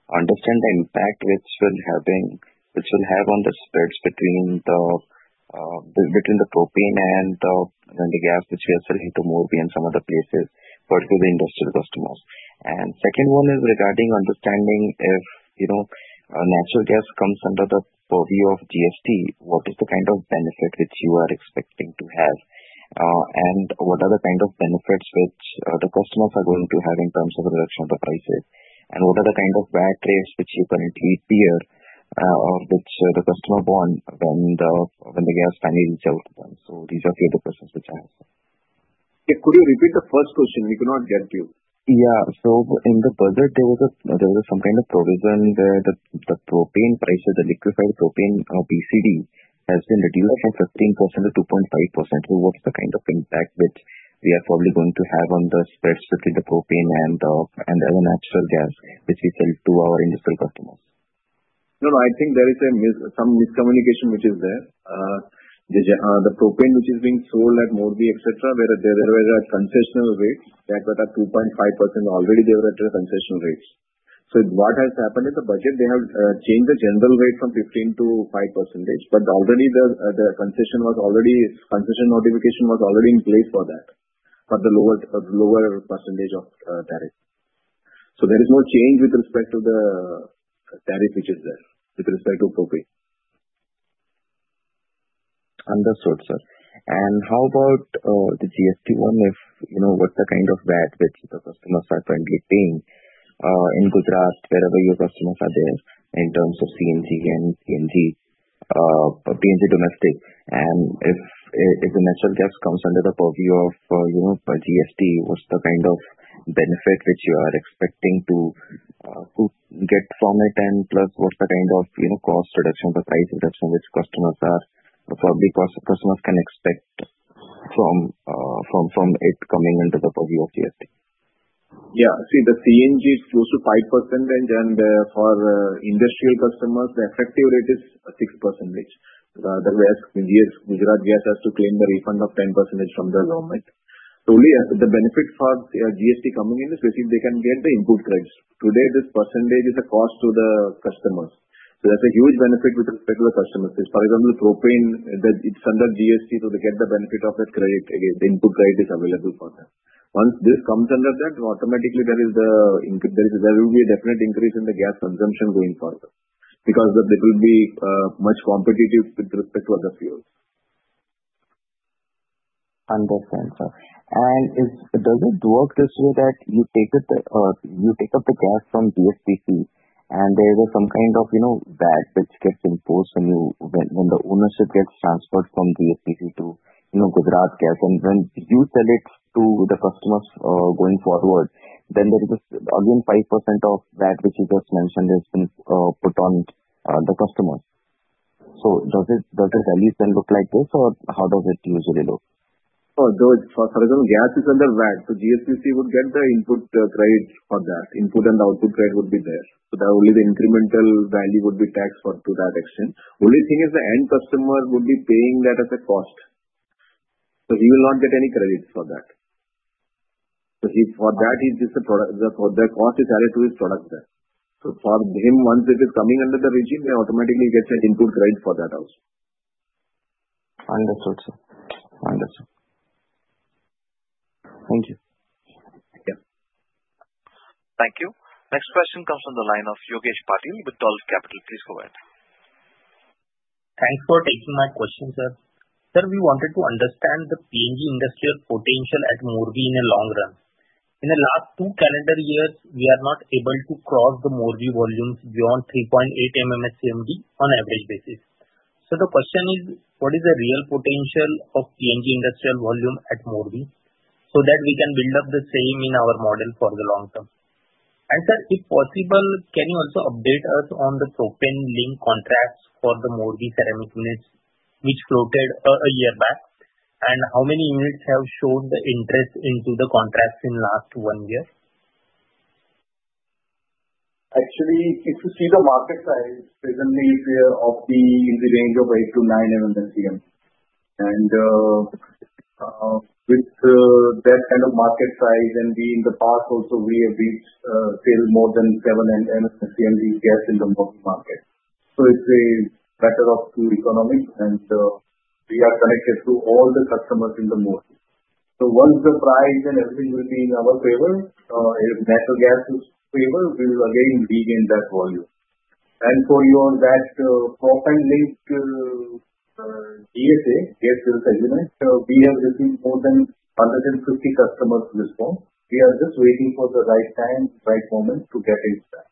understand the impact which will have on the spreads between the propane and the gas which we are selling to Morbi and some other places, particularly the industrial customers. And second one is regarding understanding if natural gas comes under the purview of GST, what is the kind of benefit which you are expecting to have? And what are the kind of benefits which the customers are going to have in terms of the reduction of the prices? And what are the kind of VAT rates which you currently fear or which the customer will have when the gas finally reaches out to them? So these are a few of the questions which I have. Yeah. Could you repeat the first question? We could not get you. Yeah. So in the budget, there was some kind of provision where the propane prices, the liquefied propane GST, has been reduced from 15% to 2.5%. So what's the kind of impact which we are probably going to have on the spreads between the propane and the other natural gas which we sell to our industrial customers? No, no. I think there is some miscommunication which is there. The propane which is being sold at Morbi, etc., where there were concessional rates, that were at 2.5% already, they were at concessional rates. So what has happened in the budget, they have changed the general rate from 15% to 5%. But already, the concession was already concession notification was already in place for that, for the lower percentage of tariff. So there is no change with respect to the tariff which is there, with respect to propane. Understood, sir. And how about the GST one? What's the kind of VAT which the customers are currently paying in Gujarat, wherever your customers are there, in terms of CNG and PNG domestic? And if the natural gas comes under the purview of GST, what's the kind of benefit which you are expecting to get from it? And plus, what's the kind of cost reduction, the price reduction which customers can expect from it coming under the purview of GST? Yeah. See, the CNG is close to 5%. And for industrial customers, the effective rate is 6%, which Gujarat Gas has to claim the refund of 10% from the government. So only the benefit for GST coming in is basically they can get the input credits. Today, this percentage is a cost to the customers. So that's a huge benefit with respect to the customers. For example, propane, it's under GST, so they get the benefit of that credit. Again, the input credit is available for them. Once this comes under that, automatically, there will be a definite increase in the gas consumption going forward because it will be much competitive with respect to other fuels. Understand, sir. And does it work this way that you take up the gas from GSPC, and there is some kind of VAT which gets imposed when the ownership gets transferred from GSPC to Gujarat Gas? And when you sell it to the customers going forward, then there is, again, 5% of VAT which you just mentioned has been put on the customers. So does the value then look like this, or how does it usually look? No. For example, gas is under VAT. So GST would get the input credit for that. Input and output credit would be there. So only the incremental value would be taxed to that extent. Only thing is the end customer would be paying that as a cost. So he will not get any credit for that. So for that, the cost is added to his product there. So for him, once it is coming under the regime, then automatically, he gets an input credit for that also. Understood, sir. Understood. Thank you. Thank you. Next question comes from the line of Yogesh Patil with Dolat Capital. Please go ahead. Thanks for taking my question, sir. Sir, we wanted to understand the PNG industrial potential at Morbi in a long run. In the last two calendar years, we are not able to cross the Morbi volumes beyond 3.8 MMSCMD on average basis. So the question is, what is the real potential of PNG industrial volume at Morbi so that we can build up the same in our model for the long term? And sir, if possible, can you also update us on the propane link contracts for the Morbi ceramic units which floated a year back? And how many units have shown the interest into the contracts in the last one year? Actually, if you see the market size, presently, we are of the range of 8 MMSCMD-9 MMSCMD. And with that kind of market size, and in the past also, we have reached sales more than 7 MMSCMD gas in the Morbi market. So it's a matter of economics, and we are connected to all the customers in the Morbi. So once the price and everything will be in our favor, if natural gas is in favor, we will again regain that volume. And for that propane link GSA, gas sales agreement, we have received more than 150 customers' response. We are just waiting for the right time, right moment to get into that.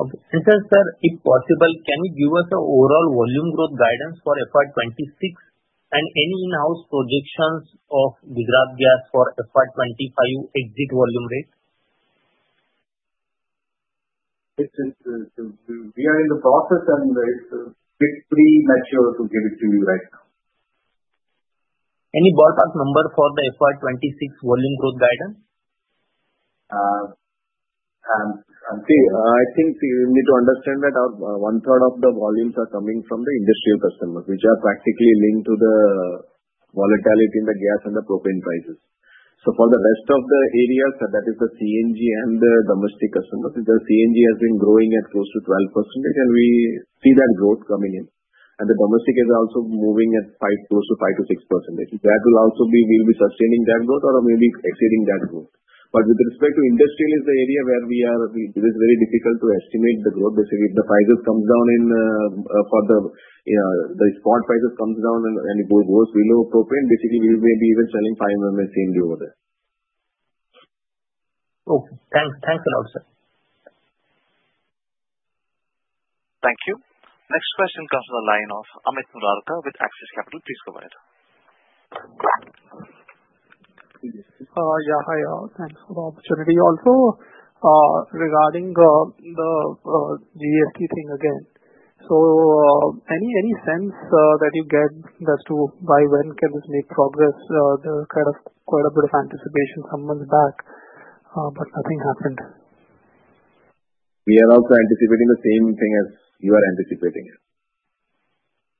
Okay, and sir, if possible, can you give us an overall volume growth guidance for FY26 and any in-house projections of Gujarat Gas for FY25 exit volume rate? We are in the process, and it's premature to give it to you right now. Any ballpark number for the FY26 volume growth guidance? See, I think you need to understand that one-third of the volumes are coming from the industrial customers, which are practically linked to the volatility in the gas and the propane prices. So for the rest of the areas, that is the CNG and the domestic customers, the CNG has been growing at close to 12%, and we see that growth coming in. And the domestic is also moving at close to 5%-6%. That will also, we'll be sustaining that growth or maybe exceeding that growth. But with respect to industrial, it is the area where we are, it is very difficult to estimate the growth. Basically, if the spot prices come down and it goes below propane, basically, we may be even selling 5 MMSCMD over there. Okay. Thanks a lot, sir. Thank you. Next question comes from the line of Amit Murarka with Axis Capital. Please go ahead. Yeah. Hi, all. Thanks for the opportunity. Also, regarding the GST thing again, so any sense that you get as to by when can this make progress? There's quite a bit of anticipation some months back, but nothing happened. We are also anticipating the same thing as you are anticipating it.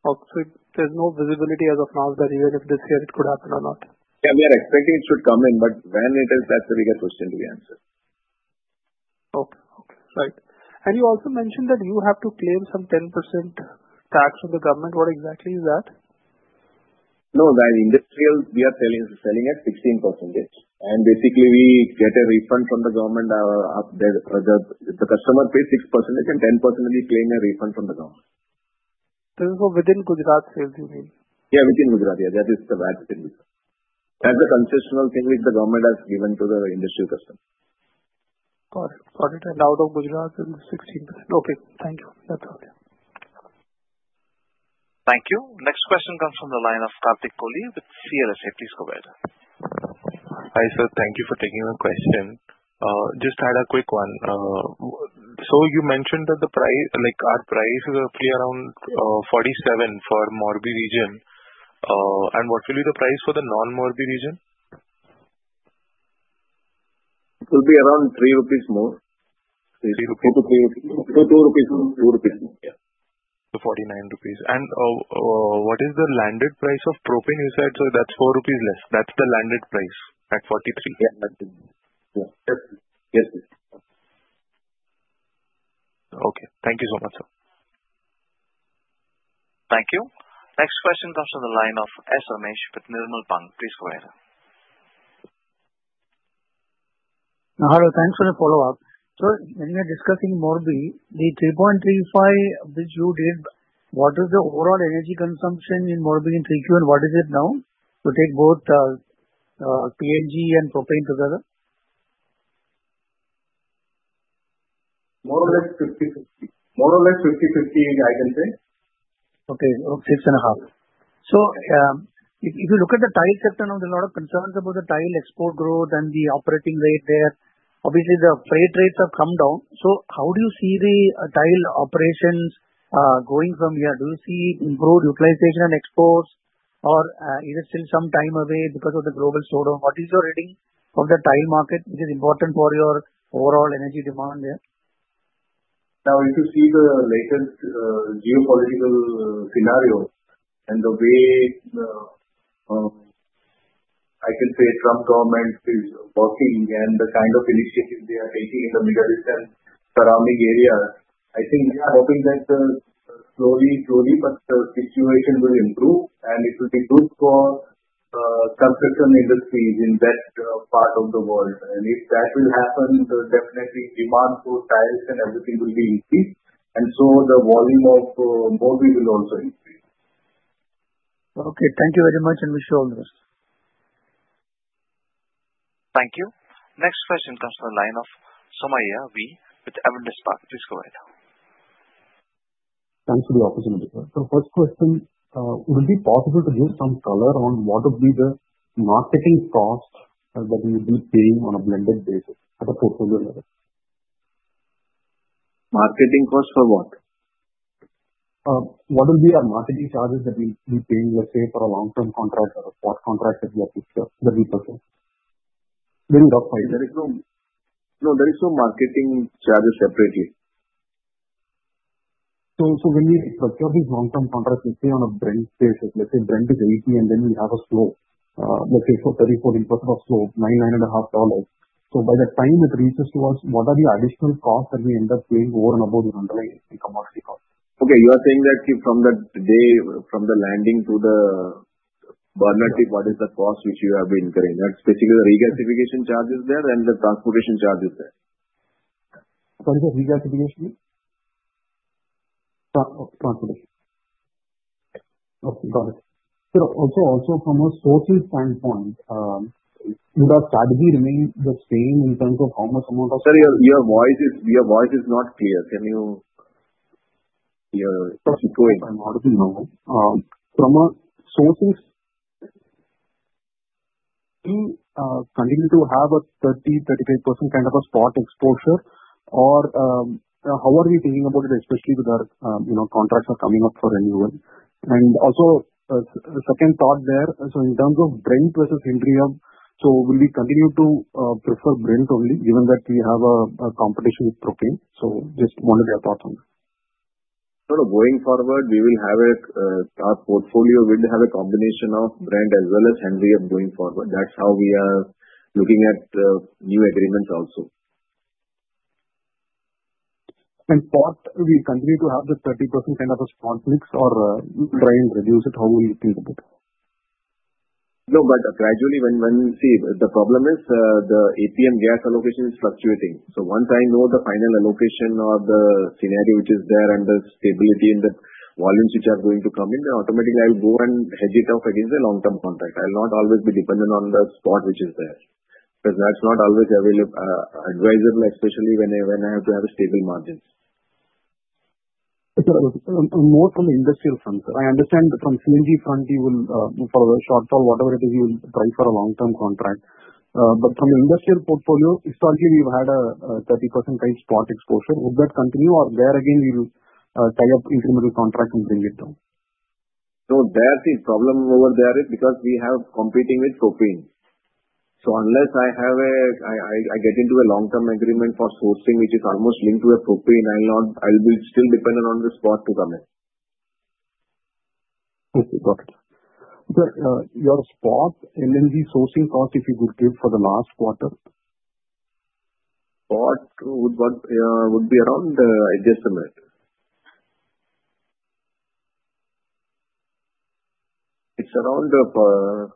Okay. So there's no visibility as of now that even if this year, it could happen or not? Yeah. We are expecting it should come in, but when it is, that's the biggest question to be answered. Right. And you also mentioned that you have to claim some 10% tax from the government. What exactly is that? No. The industrial, we are selling at 16%. And basically, we get a refund from the government. The customer pays 6%, and 10%, we claim a refund from the government. This is for within Gujarat sales, you mean? Yeah. Within Gujarat. Yeah. That is the VAT within Gujarat. That's the concessional thing which the government has given to the industrial customers. Got it. Got it. And out of Gujarat, it's 16%. Okay. Thank you. That's all. Thank you. Next question comes from the line of Kartik Kohli with CLSA. Please go ahead. Hi, sir. Thank you for taking my question. Just had a quick one. So you mentioned that our price is roughly around 47 for Morbi region. And what will be the price for the non-Morbi region? It will be around 3 rupees more. 3 rupees to 2 rupees more. 2 rupees more. Yeah. So 49 rupees. And what is the landed price of propane? You said that's 4 rupees less. That's the landed price at 43. Yeah. Yes. Yes. Yes. Okay. Thank you so much, sir. Thank you. Next question comes from the line of S. Ramesh with Nirmal Bang. Please go ahead. Hello. Thanks for the follow-up. So when you are discussing Morbi, the 3.35 MMSCMD which you did, what is the overall energy consumption in Morbi in 3Q, and what is it now? You take both PNG and propane together? More or less 50/50. More or less 50/50, I can say. Okay. 6.5 MMSCMD. So if you look at the tile sector now, there are a lot of concerns about the tile export growth and the operating rate there. Obviously, the freight rates have come down. So how do you see the tile operations going from here? Do you see improved utilization and exports, or is it still some time away because of the global sort of, what is your reading of the tile market, which is important for your overall energy demand there? Now, if you see the latest geopolitical scenario and the way, I can say, Trump government is working and the kind of initiatives they are taking in the Middle East and surrounding areas, I think we are hoping that slowly, slowly, but the situation will improve, and it will improve for construction industries in that part of the world. And if that will happen, definitely, demand for tiles and everything will be increased. And so the volume of Morbi will also increase. Okay. Thank you very much, and we shall know. Thank you. Next question comes from the line of Somaiah V. with Avendus Spark. Please go ahead. Thanks for the opportunity. So first question, would it be possible to give some color on what would be the marketing cost that we will be paying on a blended basis at a portfolio level? Marketing cost for what? What will be our marketing charges that we'll be paying, let's say, for a long-term contract or a spot contract that we purchase? There is no marketing charges separately. So when we procure these long-term contracts, let's say, on a Brent basis, let's say, Brent is $80, and then we have a slope, let's say, for 34% of slope, $9, $9.5. So by the time it reaches to us, what are the additional costs that we end up paying over and above the underlying commodity cost? Okay. You are saying that from the day, from the landing to the burner, what is the cost which you have been incurring? That's basically the regasification charges there and the transportation charges there. Sorry, the regasification? Transportation. Okay. Got it. Also, from a sourcing standpoint, would our strategy remain the same in terms of how much amount of? Sorry, your voice is not clear. Can you keep going? Sorry. I'm not able to hear you. From a sourcing, we continue to have a 30%-35% kind of a spot exposure, or how are we thinking about it, especially with our contracts coming up for renewal? And also, second thought there, so in terms of Brent versus Henry Hub, so will we continue to prefer Brent only, given that we have a competition with propane? So just wanted your thoughts on that. Sort of going forward, we will have a portfolio that will have a combination of Brent as well as Henry Hub going forward. That's how we are looking at new agreements also. Spot, will we continue to have the 30% kind of a spot mix, or try and reduce it? How will you think about it? No. But gradually, when we see, the problem is the APM gas allocation is fluctuating. So once I know the final allocation or the scenario which is there and the stability in the volumes which are going to come in, then automatically, I'll go and hedge it off against the long-term contract. I'll not always be dependent on the spot which is there because that's not always advisable, especially when I have to have stable margins. Sir, I'm more from the industrial front. I understand from CNG front, for the shortfall, whatever it is, you will try for a long-term contract. But from the industrial portfolio, historically, we've had a 30% kind of spot exposure. Would that continue, or there again, we'll tie up incremental contracts and bring it down? No. That's the problem over there because we have competing with propane. So unless I get into a long-term agreement for sourcing, which is almost linked to a propane, I'll be still dependent on the spot to come in. Okay. Got it. Sir, your spot LNG sourcing cost, if you could give for the last quarter? Spot would be around just a minute. It's around,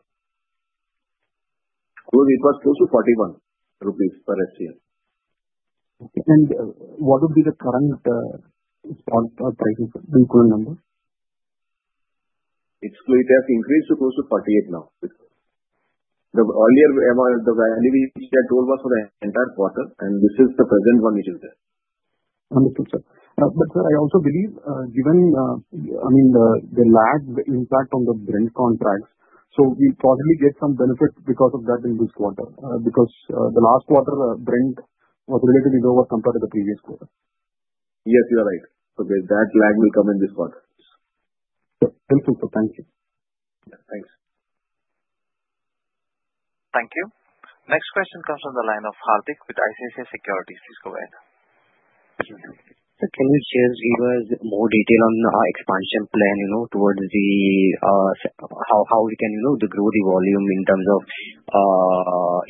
it was close to 41 rupees per SCM. Okay. And what would be the current spot prices? Do you put a number? It has increased to close to 48 now. The earlier, the value which we had told was for the entire quarter, and this is the present one which is there. Wonderful, sir. But sir, I also believe, given I mean, the lag impact on the Brent contracts, so we'll probably get some benefit because of that in this quarter because the last quarter, Brent was relatively lower compared to the previous quarter. Yes. You are right. So that lag will come in this quarter. Wonderful. Thank you. Thanks. Thank you. Next question comes from the line of Hardik with ICICI Securities. Please go ahead. Sir, can you share with us more detail on our expansion plan towards how we can grow the volume in terms of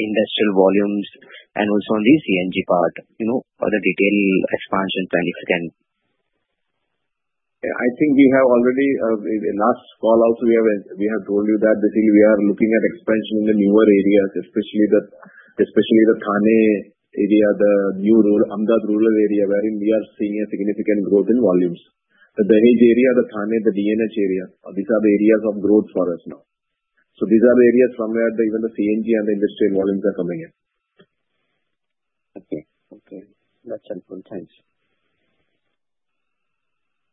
industrial volumes and also on the CNG part? Other detailed expansion plan, if you can. I think we have already last call-out, we have told you that basically we are looking at expansion in the newer areas, especially the Thane area, the Ahmedabad rural area, wherein we are seeing a significant growth in volumes. The Dahej area, the Thane, the DNH area, these are the areas of growth for us now. So these are the areas from where even the CNG and the industrial volumes are coming in. Okay. Okay. That's helpful. Thanks.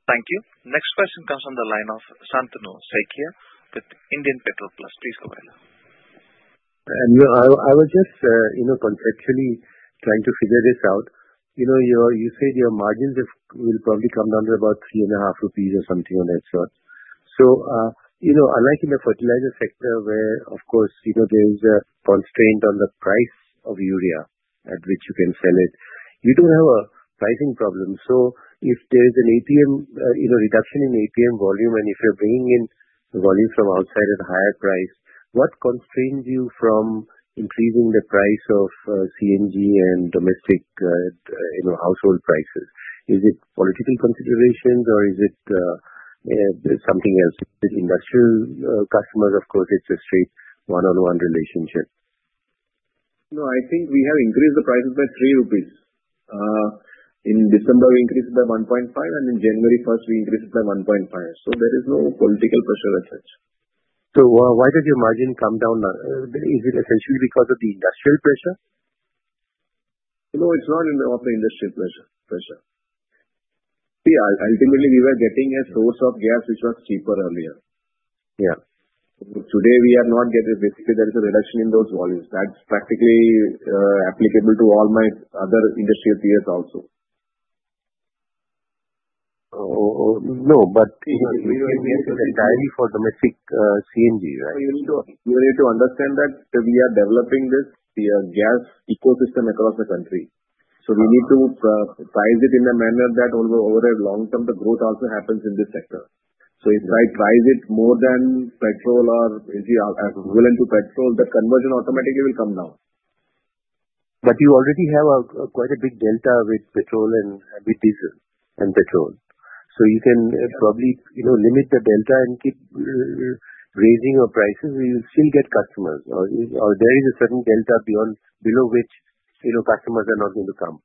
Thank you. Next question comes from the line of Santanu Saikia with IndianPetroplus. Please go ahead. I was just conceptually trying to figure this out. You said your margins will probably come down to about 3.5 rupees or something on that sort. So unlike in the fertilizer sector, where, of course, there is a constraint on the price of urea at which you can sell it, you don't have a pricing problem. So if there is a reduction in APM volume, and if you're bringing in volume from outside at a higher price, what constrains you from increasing the price of CNG and domestic household prices? Is it political considerations, or is it something else? With industrial customers, of course, it's a straight one-on-one relationship. No. I think we have increased the prices by 3 rupees. In December, we increased it by 1.5 per SCM, and in January 1st, we increased it by 1.5 per SCM. So there is no political pressure as such. So why does your margin come down? Is it essentially because of the industrial pressure? No. It's not of the industrial pressure. See, ultimately, we were getting a source of gas which was cheaper earlier. Yeah. Today, we are not getting basically, there is a reduction in those volumes. That's practically applicable to all my other industrial peers also. No. But we don't need to entirely for domestic CNG, right? You need to understand that we are developing this gas ecosystem across the country. So we need to price it in a manner that over a long term, the growth also happens in this sector. So if I price it more than petrol or if you are willing to petrol, the conversion automatically will come down. But you already have quite a big delta with petrol and diesel and petrol. So you can probably limit the delta and keep raising your prices. You'll still get customers. Or there is a certain delta below which customers are not going to come.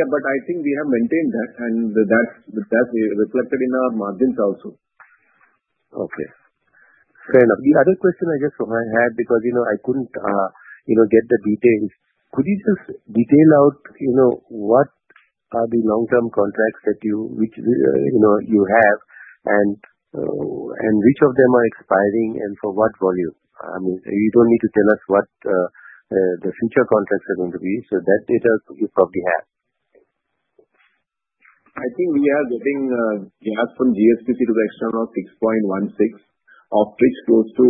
Yeah, but I think we have maintained that, and that's reflected in our margins also. Okay. Fair enough. The other question I just had because I couldn't get the details, could you just detail out what are the long-term contracts that you have, and which of them are expiring, and for what volume? I mean, you don't need to tell us what the future contracts are going to be. So that data, you probably have. I think we are getting gas from GSPC to the extent of 6.16 MMSCMD, of which close to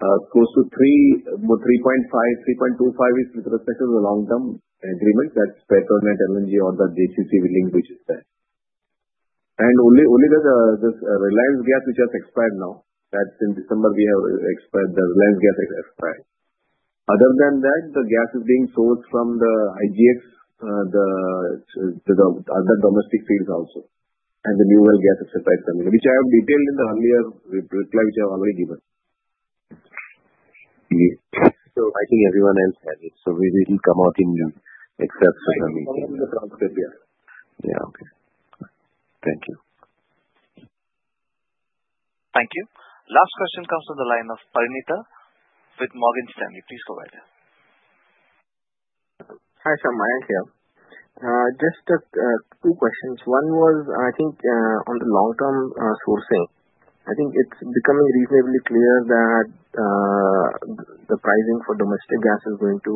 3.5 MMSCMD, 3.25 MMSCMD is with respect to the long-term agreement. That's Petronet LNG or the JCC linked which is there. And only the Reliance gas which has expired now. That's in December, we have expired. The Reliance gas has expired. Other than that, the gas is being sourced from the IGX, the other domestic fields also, and the new well gas except which I have detailed in the earlier reply which I have already given. So I think everyone else has it. So we will come out in except for the. Yeah. Yeah. Okay. Thank you. Thank you. Last question comes from the line of Parinitha with Morgan Stanley. Please go ahead. Hi, San. I am here. Just two questions. One was, I think, on the long-term sourcing. I think it's becoming reasonably clear that the pricing for domestic gas is going to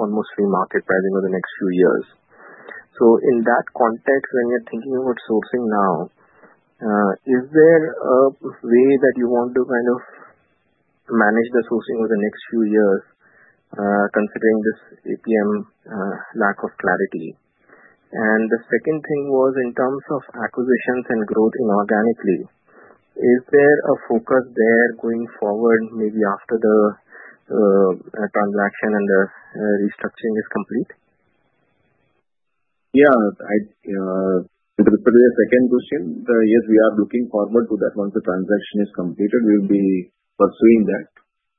almost free market pricing over the next few years. So in that context, when you're thinking about sourcing now, is there a way that you want to kind of manage the sourcing over the next few years considering this APM lack of clarity? And the second thing was, in terms of acquisitions and growth inorganically, is there a focus there going forward, maybe after the transaction and the restructuring is complete? Yeah. To the second question, yes, we are looking forward to that once the transaction is completed. We will be pursuing that.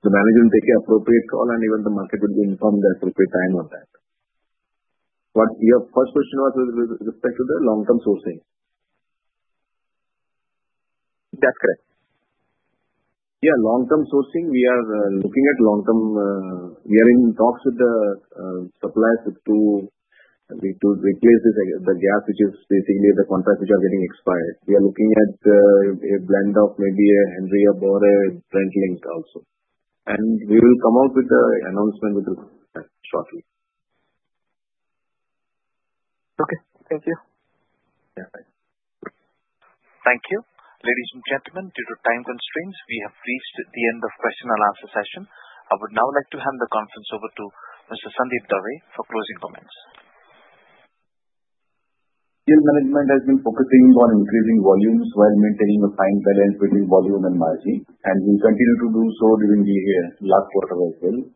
The management will take an appropriate call, and even the market will be informed at the appropriate time on that. But your first question was with respect to the long-term sourcing. That's correct. Yeah. Long-term sourcing, we are looking at long-term. We are in talks with the suppliers to replace the gas which is basically the contracts which are getting expired. We are looking at a blend of maybe a Henry Hub or a Brent link also. We will come out with the announcement shortly. Okay. Thank you. Yeah. Thanks. Thank you. Ladies and gentlemen, due to time constraints, we have reached the end of question and answer session. I would now like to hand the conference over to Mr. Sandeep Dave for closing comments. Field management has been focusing on increasing volumes while maintaining a fine balance between volume and margin, and we'll continue to do so during the last quarter as well.